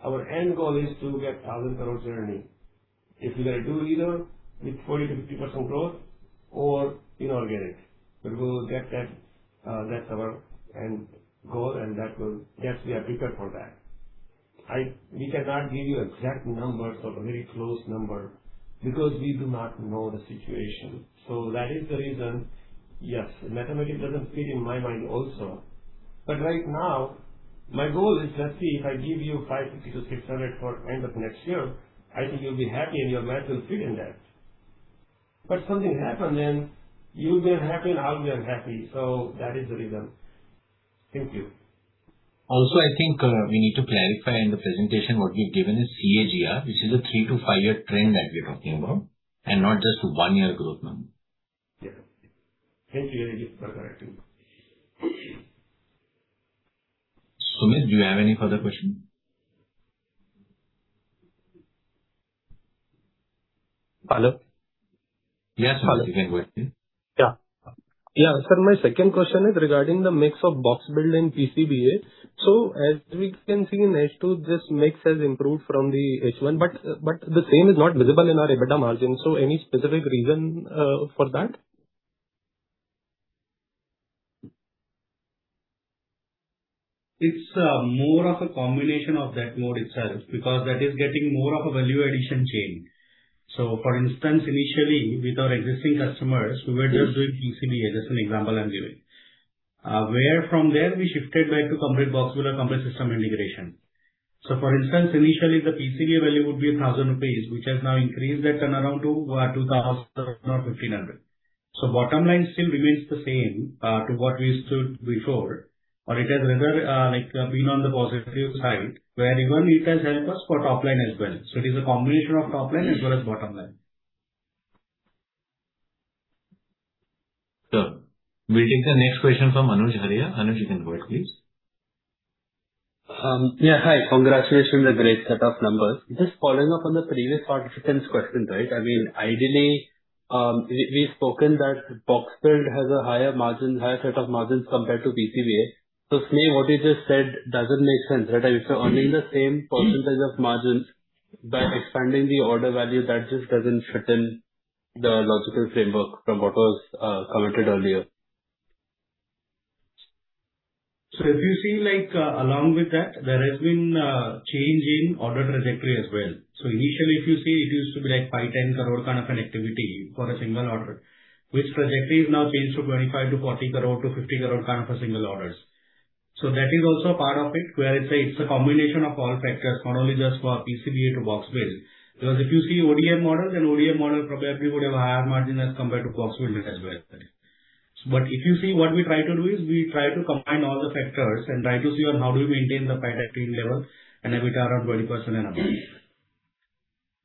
Our end goal is to get 1,000 crore journey. If we're going to do either with 40%-50% growth or inorganic. That's our end goal and thus we are prepared for that. We cannot give you exact numbers or a very close number because we do not know the situation. That is the reason. Yes, the mathematics doesn't fit in my mind also. Right now, my goal is just see, if I give you 550-600 for end of next year, I think you'll be happy, and your math will fit in that. Something happen, you will be unhappy and I'll be unhappy. That is the reason. Thank you. Also, I think, we need to clarify in the presentation what we've given is CAGR, which is a three to five-year trend that we're talking about, and not just one-year growth number. Yeah. CAGR is correct. Sumit, do you have any further questions? Hello. Yes, Sumit, you can go ahead, please. Yeah. Sir, my second question is regarding the mix of box build and PCBA. As we can see in H2, this mix has improved from the H1, the same is not visible in our EBITDA margin. Any specific reason for that? It's more of a combination of that mode itself, because that is getting more of a value addition change. For instance, initially with our existing customers, we were just doing PCBA. That's an example I'm giving. Where from there, we shifted back to complete box build or complete system integration. For instance, initially the PCBA value would be 1,000 rupees, which has now increased that turnaround to 2,000 or 1,500. Bottom line still remains the same to what we used to before, or it has rather been on the positive side where even it has helped us for top line as well. It is a combination of top line as well as bottom line. Sure. We'll take the next question from Anuj Arya. Anuj, you can go ahead, please. Yeah, hi. Congratulations on the great set of numbers. Just following up on the previous participant's question. Ideally, we've spoken that box build has a higher set of margins compared to PCBA. Sneh, what you just said doesn't make sense. If you're earning the same percentage of margins by expanding the order value, that just doesn't fit in the logical framework from what was commented earlier. If you see along with that, there has been a change in order trajectory as well. Initially, if you see, it used to be 5 crore, 10 crore kind of connectivity for a single order. Which trajectory is now changed to 25 crore to 40 crore to 50 crore kind of a single orders. That is also part of it, where it's a combination of all factors, not only just for PCBA to box build. Because if you see ODM models, then ODM model probably would have a higher margin as compared to box build as well. If you see what we try to do is we try to combine all the factors and try to see on how do we maintain the profitability level and EBITDA of 20% and above.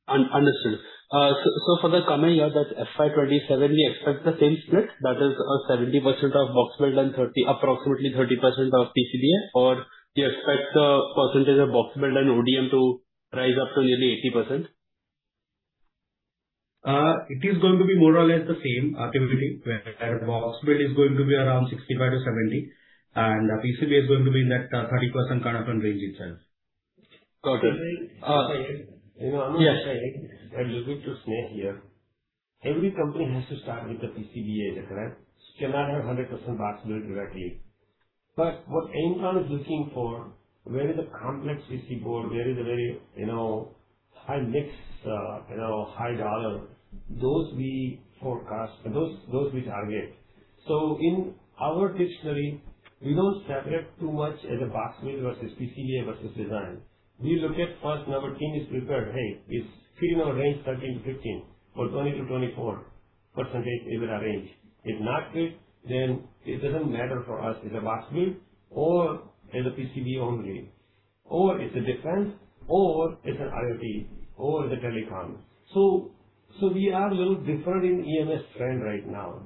Understood. For the coming year, that FY 2027, we expect the same split, that is, 70% of box build and approximately 30% of PCBA? Or do you expect the percentage of box build and ODM to rise up to nearly 80%? It is going to be more or less the same, Anuj Arya, where box build is going to be around 65%-70%, and PCBA is going to be in that 30% kind of range itself. Got it. Anuj Arya- Yes. I'm looking to Sneh here. Every company has to start with a PCBA, correct? You cannot have 100% box build directly. What Aimtron is looking for, where is the complex PCBA, where is the very high mix, high dollar, those we target. In our dictionary, we don't separate too much as a box build versus PCBA versus design. We look at first when our team is prepared, hey, it's still in our range, 13%-15% or 20%-24% EBITDA range. If not fit, then it doesn't matter for us, is a box build or is a PCBA only, or it's a defense or it's an IoT or it's a telecom. We are little different in EMS trend right now.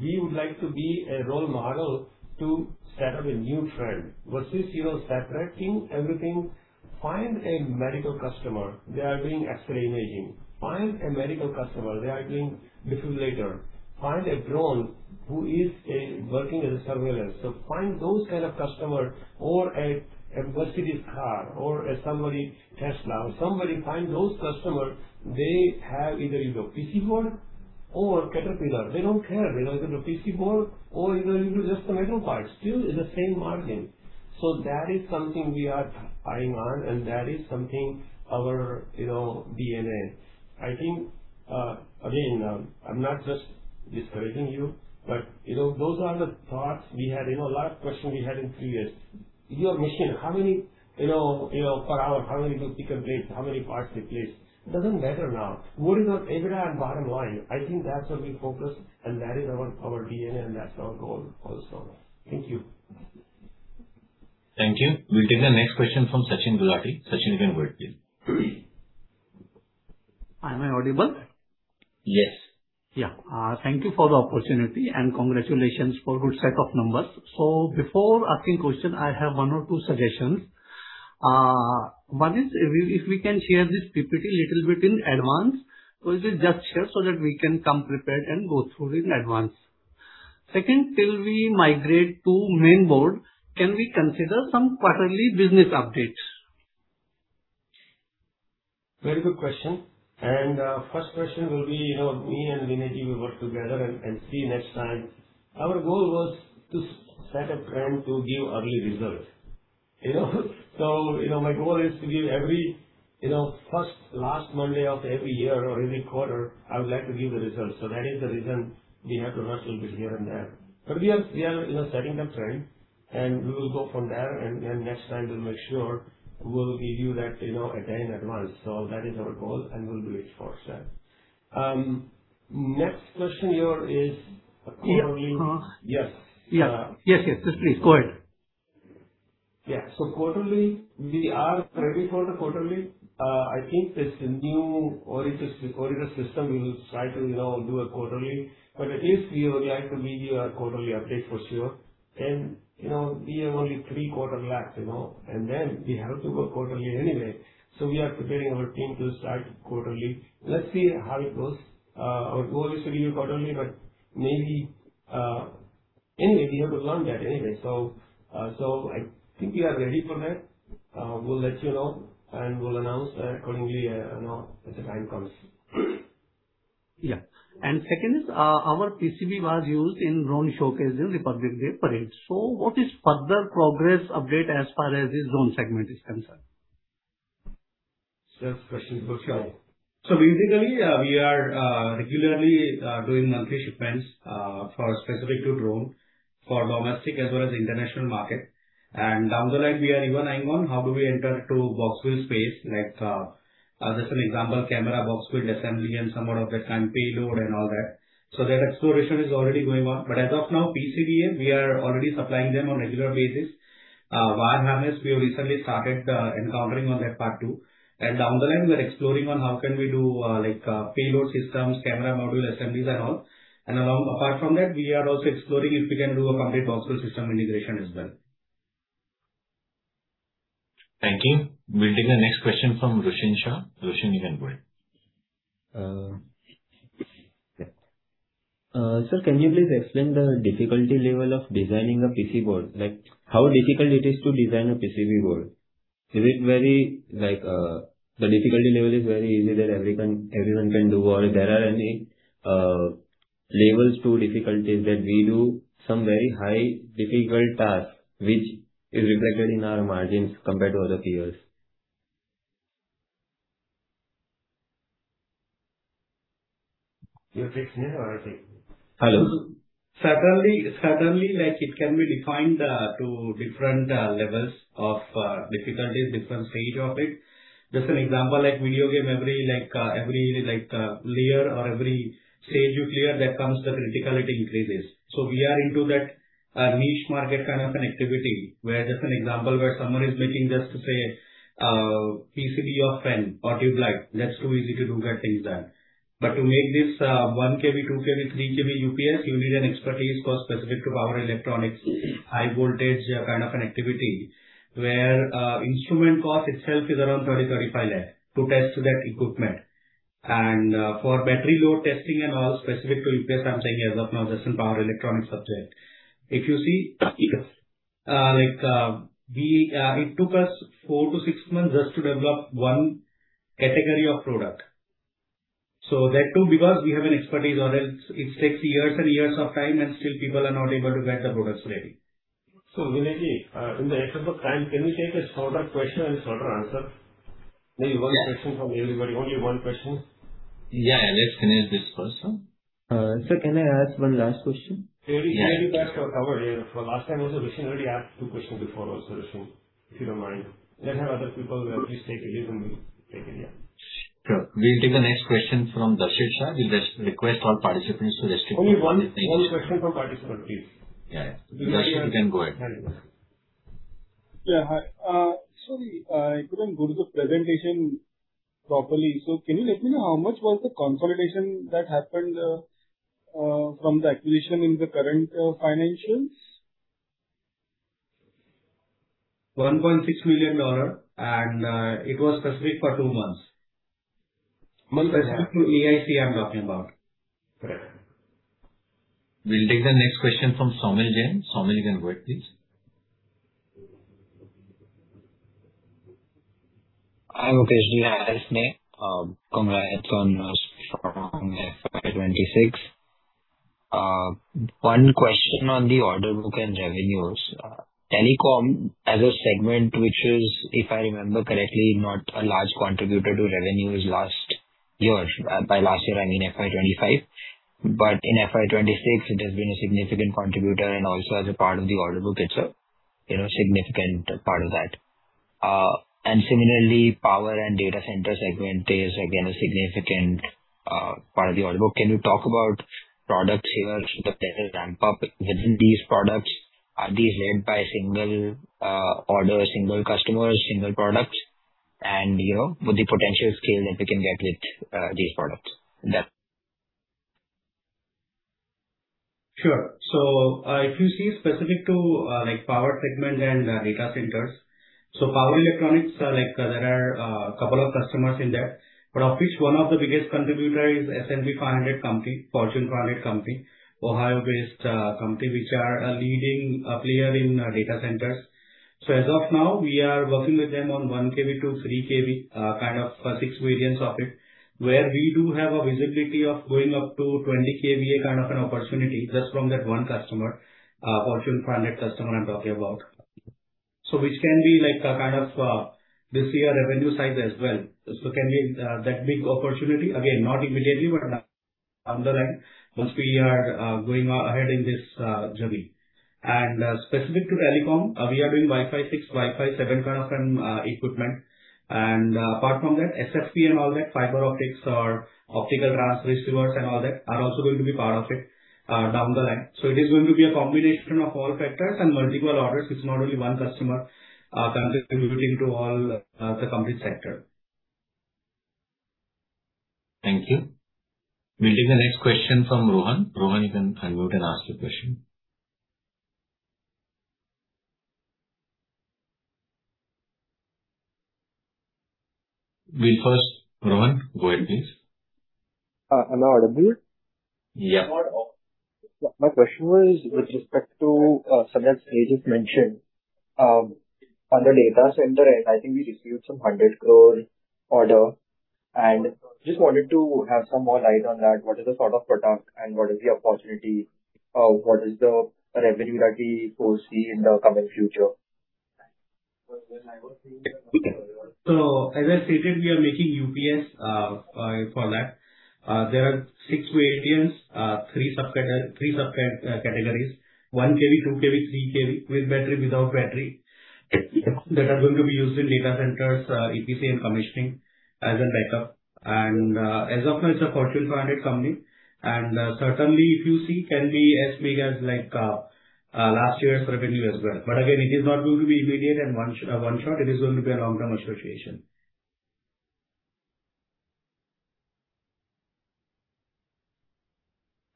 We would like to be a role model to set up a new trend versus separating everything. Find a medical customer. They are doing X-ray imaging. Find a medical customer. They are doing defibrillator. Find a drone who is working as a surveillance. Find those kind of customer or a Mercedes-Benz car or a Tesla. Find those customer, they have either your PCB board or Caterpillar. They don't care whether it is a PCB board or just a metal part. Still is the same margin. That is something we are prying on and that is something our DNA. I think, again, I'm not just discouraging you, but those are the thoughts we had. A lot of question we had in previous. Your machine, how many per hour? How many you pick and place? How many parts you place? Doesn't matter now. What is your EBITDA and bottom line? I think that's where we focused and that is our DNA and that's our goal also. Thank you. Thank you. We'll take the next question from Sachin Gulati. Sachin, you can go ahead, please. Am I audible? Yes. Yeah. Thank you for the opportunity, congratulations for good set of numbers. Before asking question, I have one or two suggestions. One is, if we can share this PPT little bit in advance, so it is just here so that we can come prepared and go through in advance. Second, till we migrate to main board, can we consider some quarterly business updates? Very good question. First question will be, me and Vinayji will work together and see next time. Our goal was to set a trend to give early results. My goal is to give every first last Monday of every year or every quarter, I would like to give the results. That is the reason we have to rush a bit here and there. We are setting the trend, we will go from there, Next time we'll make sure we'll give you that again advance. That is our goal, and we'll do it for sure. Next question here is quarterly. Yes. Please go ahead. Quarterly, we are ready for the quarterly. I think this new auditor system will try to do a quarterly. At least we would like to give you our quarterly update for sure. We have only three quarter left. Then we have to go quarterly anyway. We are preparing our team to start quarterly. Let's see how it goes. Our goal is to give you quarterly, but maybe. Anyway, we have to learn that anyway. I think we are ready for that. We'll let you know, and we'll announce quarterly as the time comes. Second is, our PCB was used in drone showcase in Republic Day Parade. What is further progress update as far as this drone segment is concerned? That question is for Shawl. Basically, we are regularly doing monthly shipments specific to drone for domestic as well as international market. Down the line, we are even eyeing on how do we enter to box build space, like, just an example, camera box build assembly and some more of that kind, payload and all that. That exploration is already going on. As of now, PCBA, we are already supplying them on regular basis. Wire harness, we have recently started encountering on that part too. Down the line, we are exploring on how can we do payload systems, camera module assemblies and all. Apart from that, we are also exploring if we can do a complete box build system integration as well. Thank you. We'll take the next question from Roshan Shah. Roshan, you can go ahead. Sir, can you please explain the difficulty level of designing a PCB board? How difficult it is to design a PCB board? The difficulty level is very easy that everyone can do, or there are any levels to difficulties that we do some very high difficult task which is reflected in our margins compared to other peers? You're fixing it or I'll take? Hello. Certainly, it can be defined to different levels of difficulties, different stage of it. Just an example, like video game, every layer or every stage you clear, the difficulty increases. We are into that niche market kind of an activity where, just an example, where someone is making just a PCB of fan or tube light, that's too easy to do that things there. But to make this 1KV, 2KV, 3KV UPS, you need an expertise cost specific to power electronics, high voltage kind of an activity, where instrument cost itself is around 30 lakh-35 lakh to test that equipment. And for battery load testing and all specific to UPS, I'm saying as of now, just in power electronics subject. If you see, it took us four to six months just to develop 1 category of product. That too, because we have an expertise. Else it takes years and years of time, and still people are not able to get the products ready. Vinayji, in the effort of time, can we take a shorter question and shorter answer? Maybe one question from everybody. Only one question. Let's finish this first, Shawl. Sir, can I ask one last question? Maybe you guys covered here. For last time also, Roshan already asked two questions before also, Roshan. If you don't mind. Let have other people please take it easy and take it, yeah. Sure. We'll take the next question from Darshit Shah. We'll just request all participants to restrict to only one question. Thank you, Shawl. Only one question from participant, please. Yeah. Darshit, you can go ahead. Yeah. Hi. Sorry, I couldn't go through the presentation properly. Can you let me know how much was the consolidation that happened from the acquisition in the current financials? $1.6 million. It was specific for two months. Months as in? Specific to AIC, I'm talking about. Correct. We'll take the next question from Somil Jain. Somil, you can go ahead, please. Hi, Mukeshji. Hi. Congrats on FY 2026. One question on the order book and revenues. Telecom as a segment, which is, if I remember correctly, not a large contributor to revenues last year. By last year, I mean FY 2025. In FY 2026, it has been a significant contributor and also as a part of the order book, it's a significant part of that. Similarly, power and data center segment is again a significant part of the order book. Can you talk about products here? There's a ramp-up within these products. Are these led by a single order, single customer, single product? With the potential scale that we can get with these products. Sure. If you see specific to power segment and data centers. Power electronics, there are a couple of customers in that. Of which one of the biggest contributor is S&P 500 company, Fortune 500 company, Ohio-based company, which are a leading player in data centers. As of now, we are working with them on one kV to three kV, six variants of it, where we do have a visibility of going up to 20 kV, kind of an opportunity just from that one customer, Fortune 500 customer I'm talking about. Which can be this year revenue size as well. Can be that big opportunity. Again, not immediately, but down the line once we are going ahead in this journey. Specific to telecom, we are doing Wi-Fi 6, Wi-Fi 7 kind of equipment. Apart from that, SFP and all that, fiber optics or optical transceivers and all that are also going to be part of it down the line. It is going to be a combination of all factors and multiple orders. It's not only one customer contributing to all the complete sector. Thank you. We'll take the next question from Rohan. Rohan, you can unmute and ask the question. Rohan, go ahead, please. Am I audible? Yeah. My question was with respect to subject Ajay just mentioned. On the data center end, I think we received some 100 crore order. Just wanted to have some more light on that. What is the sort of product and what is the opportunity? What is the revenue that we foresee in the coming future? As I stated, we are making UPS for that. There are six variants, three subcategories: 1 kV, 2 kV, 3 kV, with battery, without battery, that are going to be used in data centers, EPC, and commissioning as a backup. As of now, it's a Fortune 500 company and certainly if you see, can be as big as last year's revenue as well. Again, it is not going to be immediate and one-shot. It is going to be a long-term association.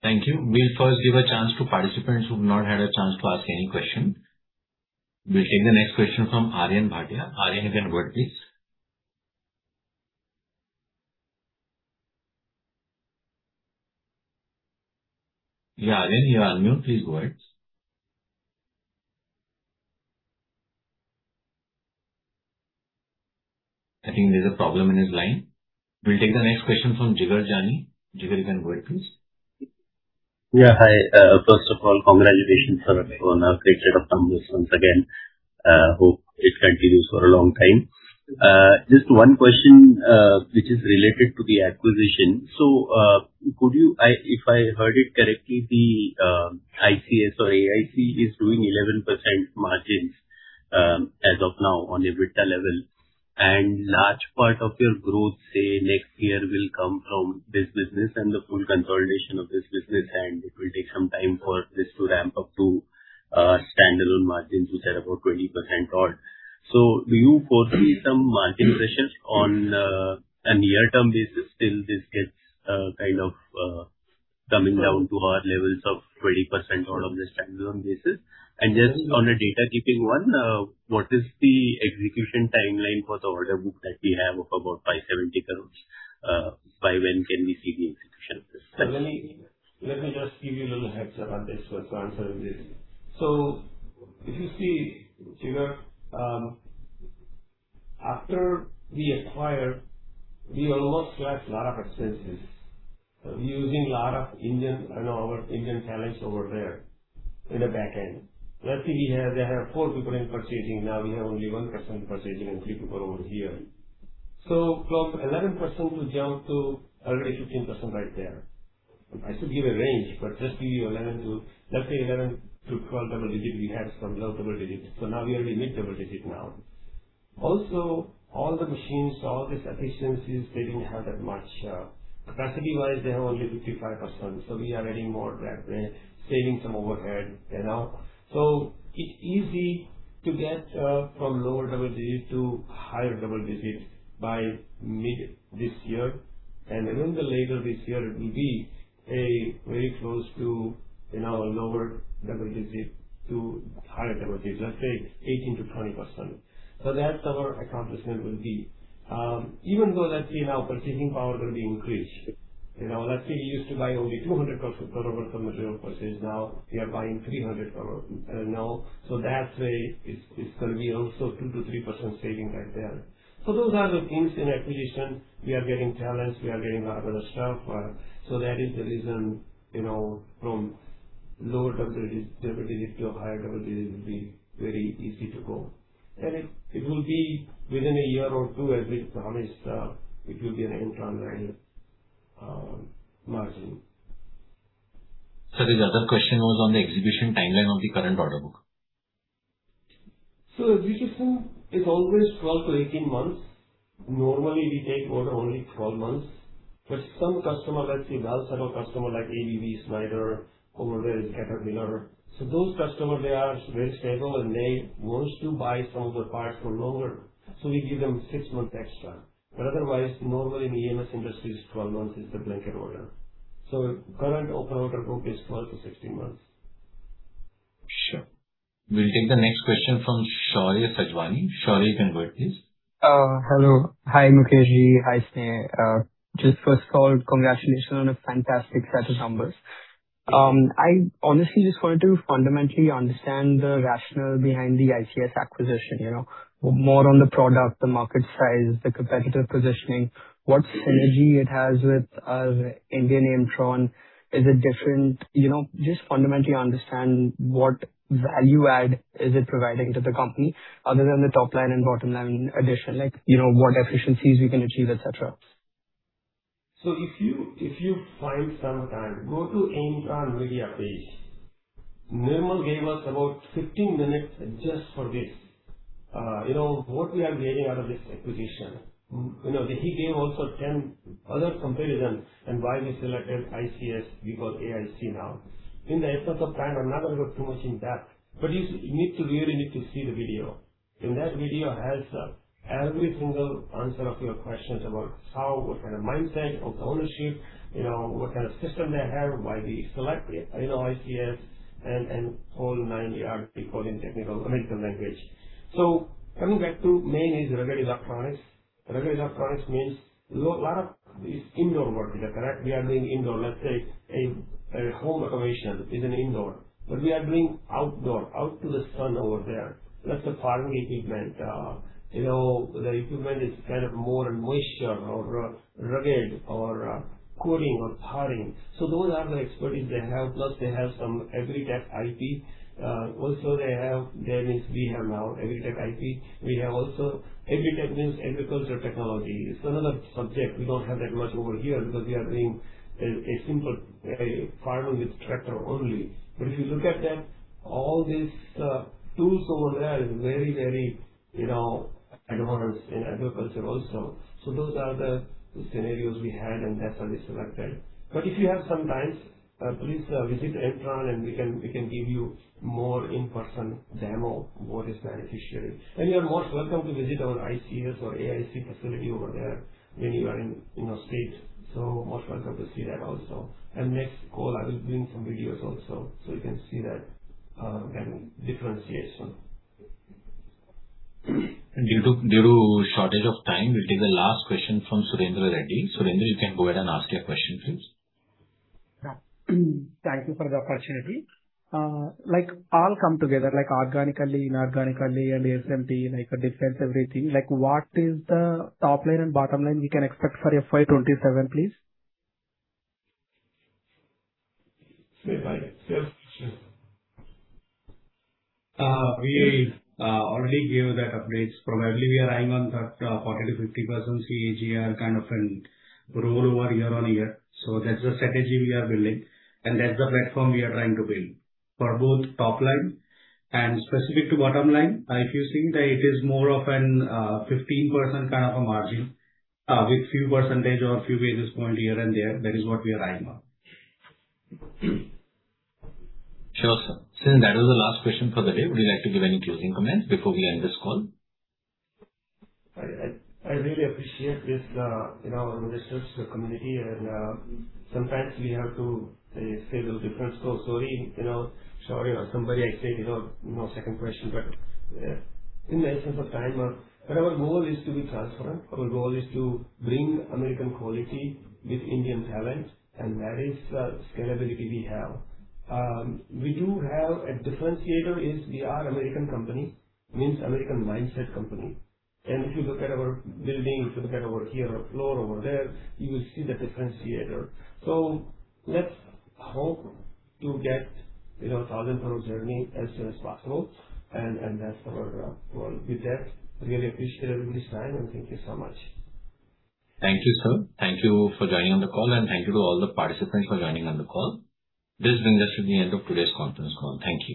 Thank you. We'll first give a chance to participants who've not had a chance to ask any question. We'll take the next question from Aryan Bhatia. Aryan, you can go ahead, please. Aryan, you are mute. Please go ahead. I think there's a problem in his line. We'll take the next question from Jigar Jani. Jigar, you can go ahead, please. Hi. First of all, congratulations on our great set of numbers once again. Hope it continues for a long time. Just one question, which is related to the acquisition. If I heard it correctly, the ICS or AIC is doing 11% margins as of now on EBITDA level, large part of your growth, say next year, will come from this business and the full consolidation of this business, and it will take some time for this to ramp up to standalone margins, which are about 20% odd. Do you foresee some margin pressure on a near-term basis till this gets kind of coming down to our levels of 20% odd on the standalone basis? Just on a data keeping one, what is the execution timeline for the order book that we have of about INR 570 crores? By when can we see the execution of this? Let me just give you a little heads up on this to answer this. If you see, Jigar, after we acquired, we almost slashed a lot of expenses. We're using a lot of our Indian talents over there in the back end. Let's say they have four people in purchasing. Now we have only one person purchasing and three people over here. From 11%, we jump to 11%-15% right there. I should give a range, but just give you 11%-12% double digit, we have some low double digits. Now we are in mid-double digit now. All the machines, all these efficiencies, they didn't have that much. Capacity-wise, they have only 55%. We are adding more that way, saving some overhead. It's easy to get from lower double-digits to higher double-digits by mid this year. Even the later this year, it will be a very close to lower double-digit to higher double-digit. Let's say 18%-20%. That's our accomplishment will be. Even though let's say now purchasing power will be increased. Let's say we used to buy only 200 per material purchase. Now we are buying 300. That way, it's going to be also 2%-3% saving right there. Those are the gains in acquisition. We are getting talents. We are getting lot of other stuff. That is the reason, from lower double-digit to a higher double-digit will be very easy to go. It will be within a year or two, at least, honest, it will be an Aimtron margin. Sir, this other question was on the exhibition timeline of the current order book. Exhibition is always 12-18 months. Normally we take order only 12 months, but some customer, let's say, well-settled customer like ABB, Schneider, Pomerantz, Caterpillar. Those customer, they are very stable, and they want to buy some of the parts for longer, so we give them 6 months extra. Otherwise, normally in the EMS industries, 12 months is the blanket order. Current open order book is 12-16 months. Sure. We'll take the next question from Shaurya Sajwani. Shaurya, you can go ahead, please. Hello. Hi, Mukeshji. Hi, Sneh. First of all, congratulations on a fantastic set of numbers. Thank you. I honestly wanted to fundamentally understand the rationale behind the ICS acquisition. More on the product, the market size, the competitive positioning, what synergy it has with Indian Aimtron. Is it different? Fundamentally understand what value add is it providing to the company other than the top line and bottom line addition, like what efficiencies we can achieve, et cetera. If you find some time, go to Aimtron media page. Nirmal gave us about 15 minutes just for this. What we are gaining out of this acquisition. He gave also 10 other comparison and why we selected ICS. We call AIC now. In the absence of time, I'm not going to go too much in that, but you really need to see the video. That video has every single answer of your questions about how, what kind of mindset of the ownership, what kind of system they have, why we select ICS, and whole nine yard, they call in technical, American language. Coming back to main is regular electronics. Regular electronics means lot of these indoor vertical, correct? We are doing indoor, let's say a home automation is an indoor. But we are doing outdoor, out to the sun over there. That's a farming equipment. The equipment is kind of more moisture or rugged or cooling or thawing. Those are the expertise they have. Plus, they have some AgriTech IP. Also, they have. That means we have now AgriTech IP. AgriTech means agriculture technology. It's another subject we don't have that much over here because we are doing a simple farming with tractor only. If you look at that, all these tools over there is very advanced in agriculture also. Those are the scenarios we had and that's how we selected. If you have some time, please visit Aimtron and we can give you more in-person demo what is beneficiary. You are most welcome to visit our ICS or AIC facility over there when you are in our state. Most welcome to see that also. Next call, I will bring some videos also, so you can see that kind of differentiation. Due to shortage of time, we'll take the last question from Surendra Reddy. Surendra, you can go ahead and ask your question, please. Yeah. Thank you for the opportunity. All come together, like organically, inorganically, and ASMP, like defense, everything. What is the top line and bottom line we can expect for FY 2027, please? Say it again. Yes, sure. We already gave that updates. Probably we are eyeing on that 40% to 50% CAGR kind of a rule over year-on-year. That's the strategy we are building and that's the platform we are trying to build for both top line and specific to bottom line. If you think that it is more of an 15% kind of a margin with few percentage or a few basis points here and there, that is what we are eyeing on. Sure, sir. Since that was the last question for the day, would you like to give any closing comments before we end this call? I really appreciate this community and sometimes we have to say those different. Sorry, Shaurya or somebody I said, no second question. In the absence of time. Our goal is to be transparent. Our goal is to bring American quality with Indian talent, and that is the scalability we have. We do have a differentiator is we are American company, means American mindset company. If you look at our building, if you look at our floor over there, you will see the differentiator. Let's hope to get a 1,000-crore journey as soon as possible, and that's our goal. With that, really appreciate everybody's time, and thank you so much. Thank you, sir. Thank you for joining on the call, and thank you to all the participants for joining on the call. This brings us to the end of today's conference call. Thank you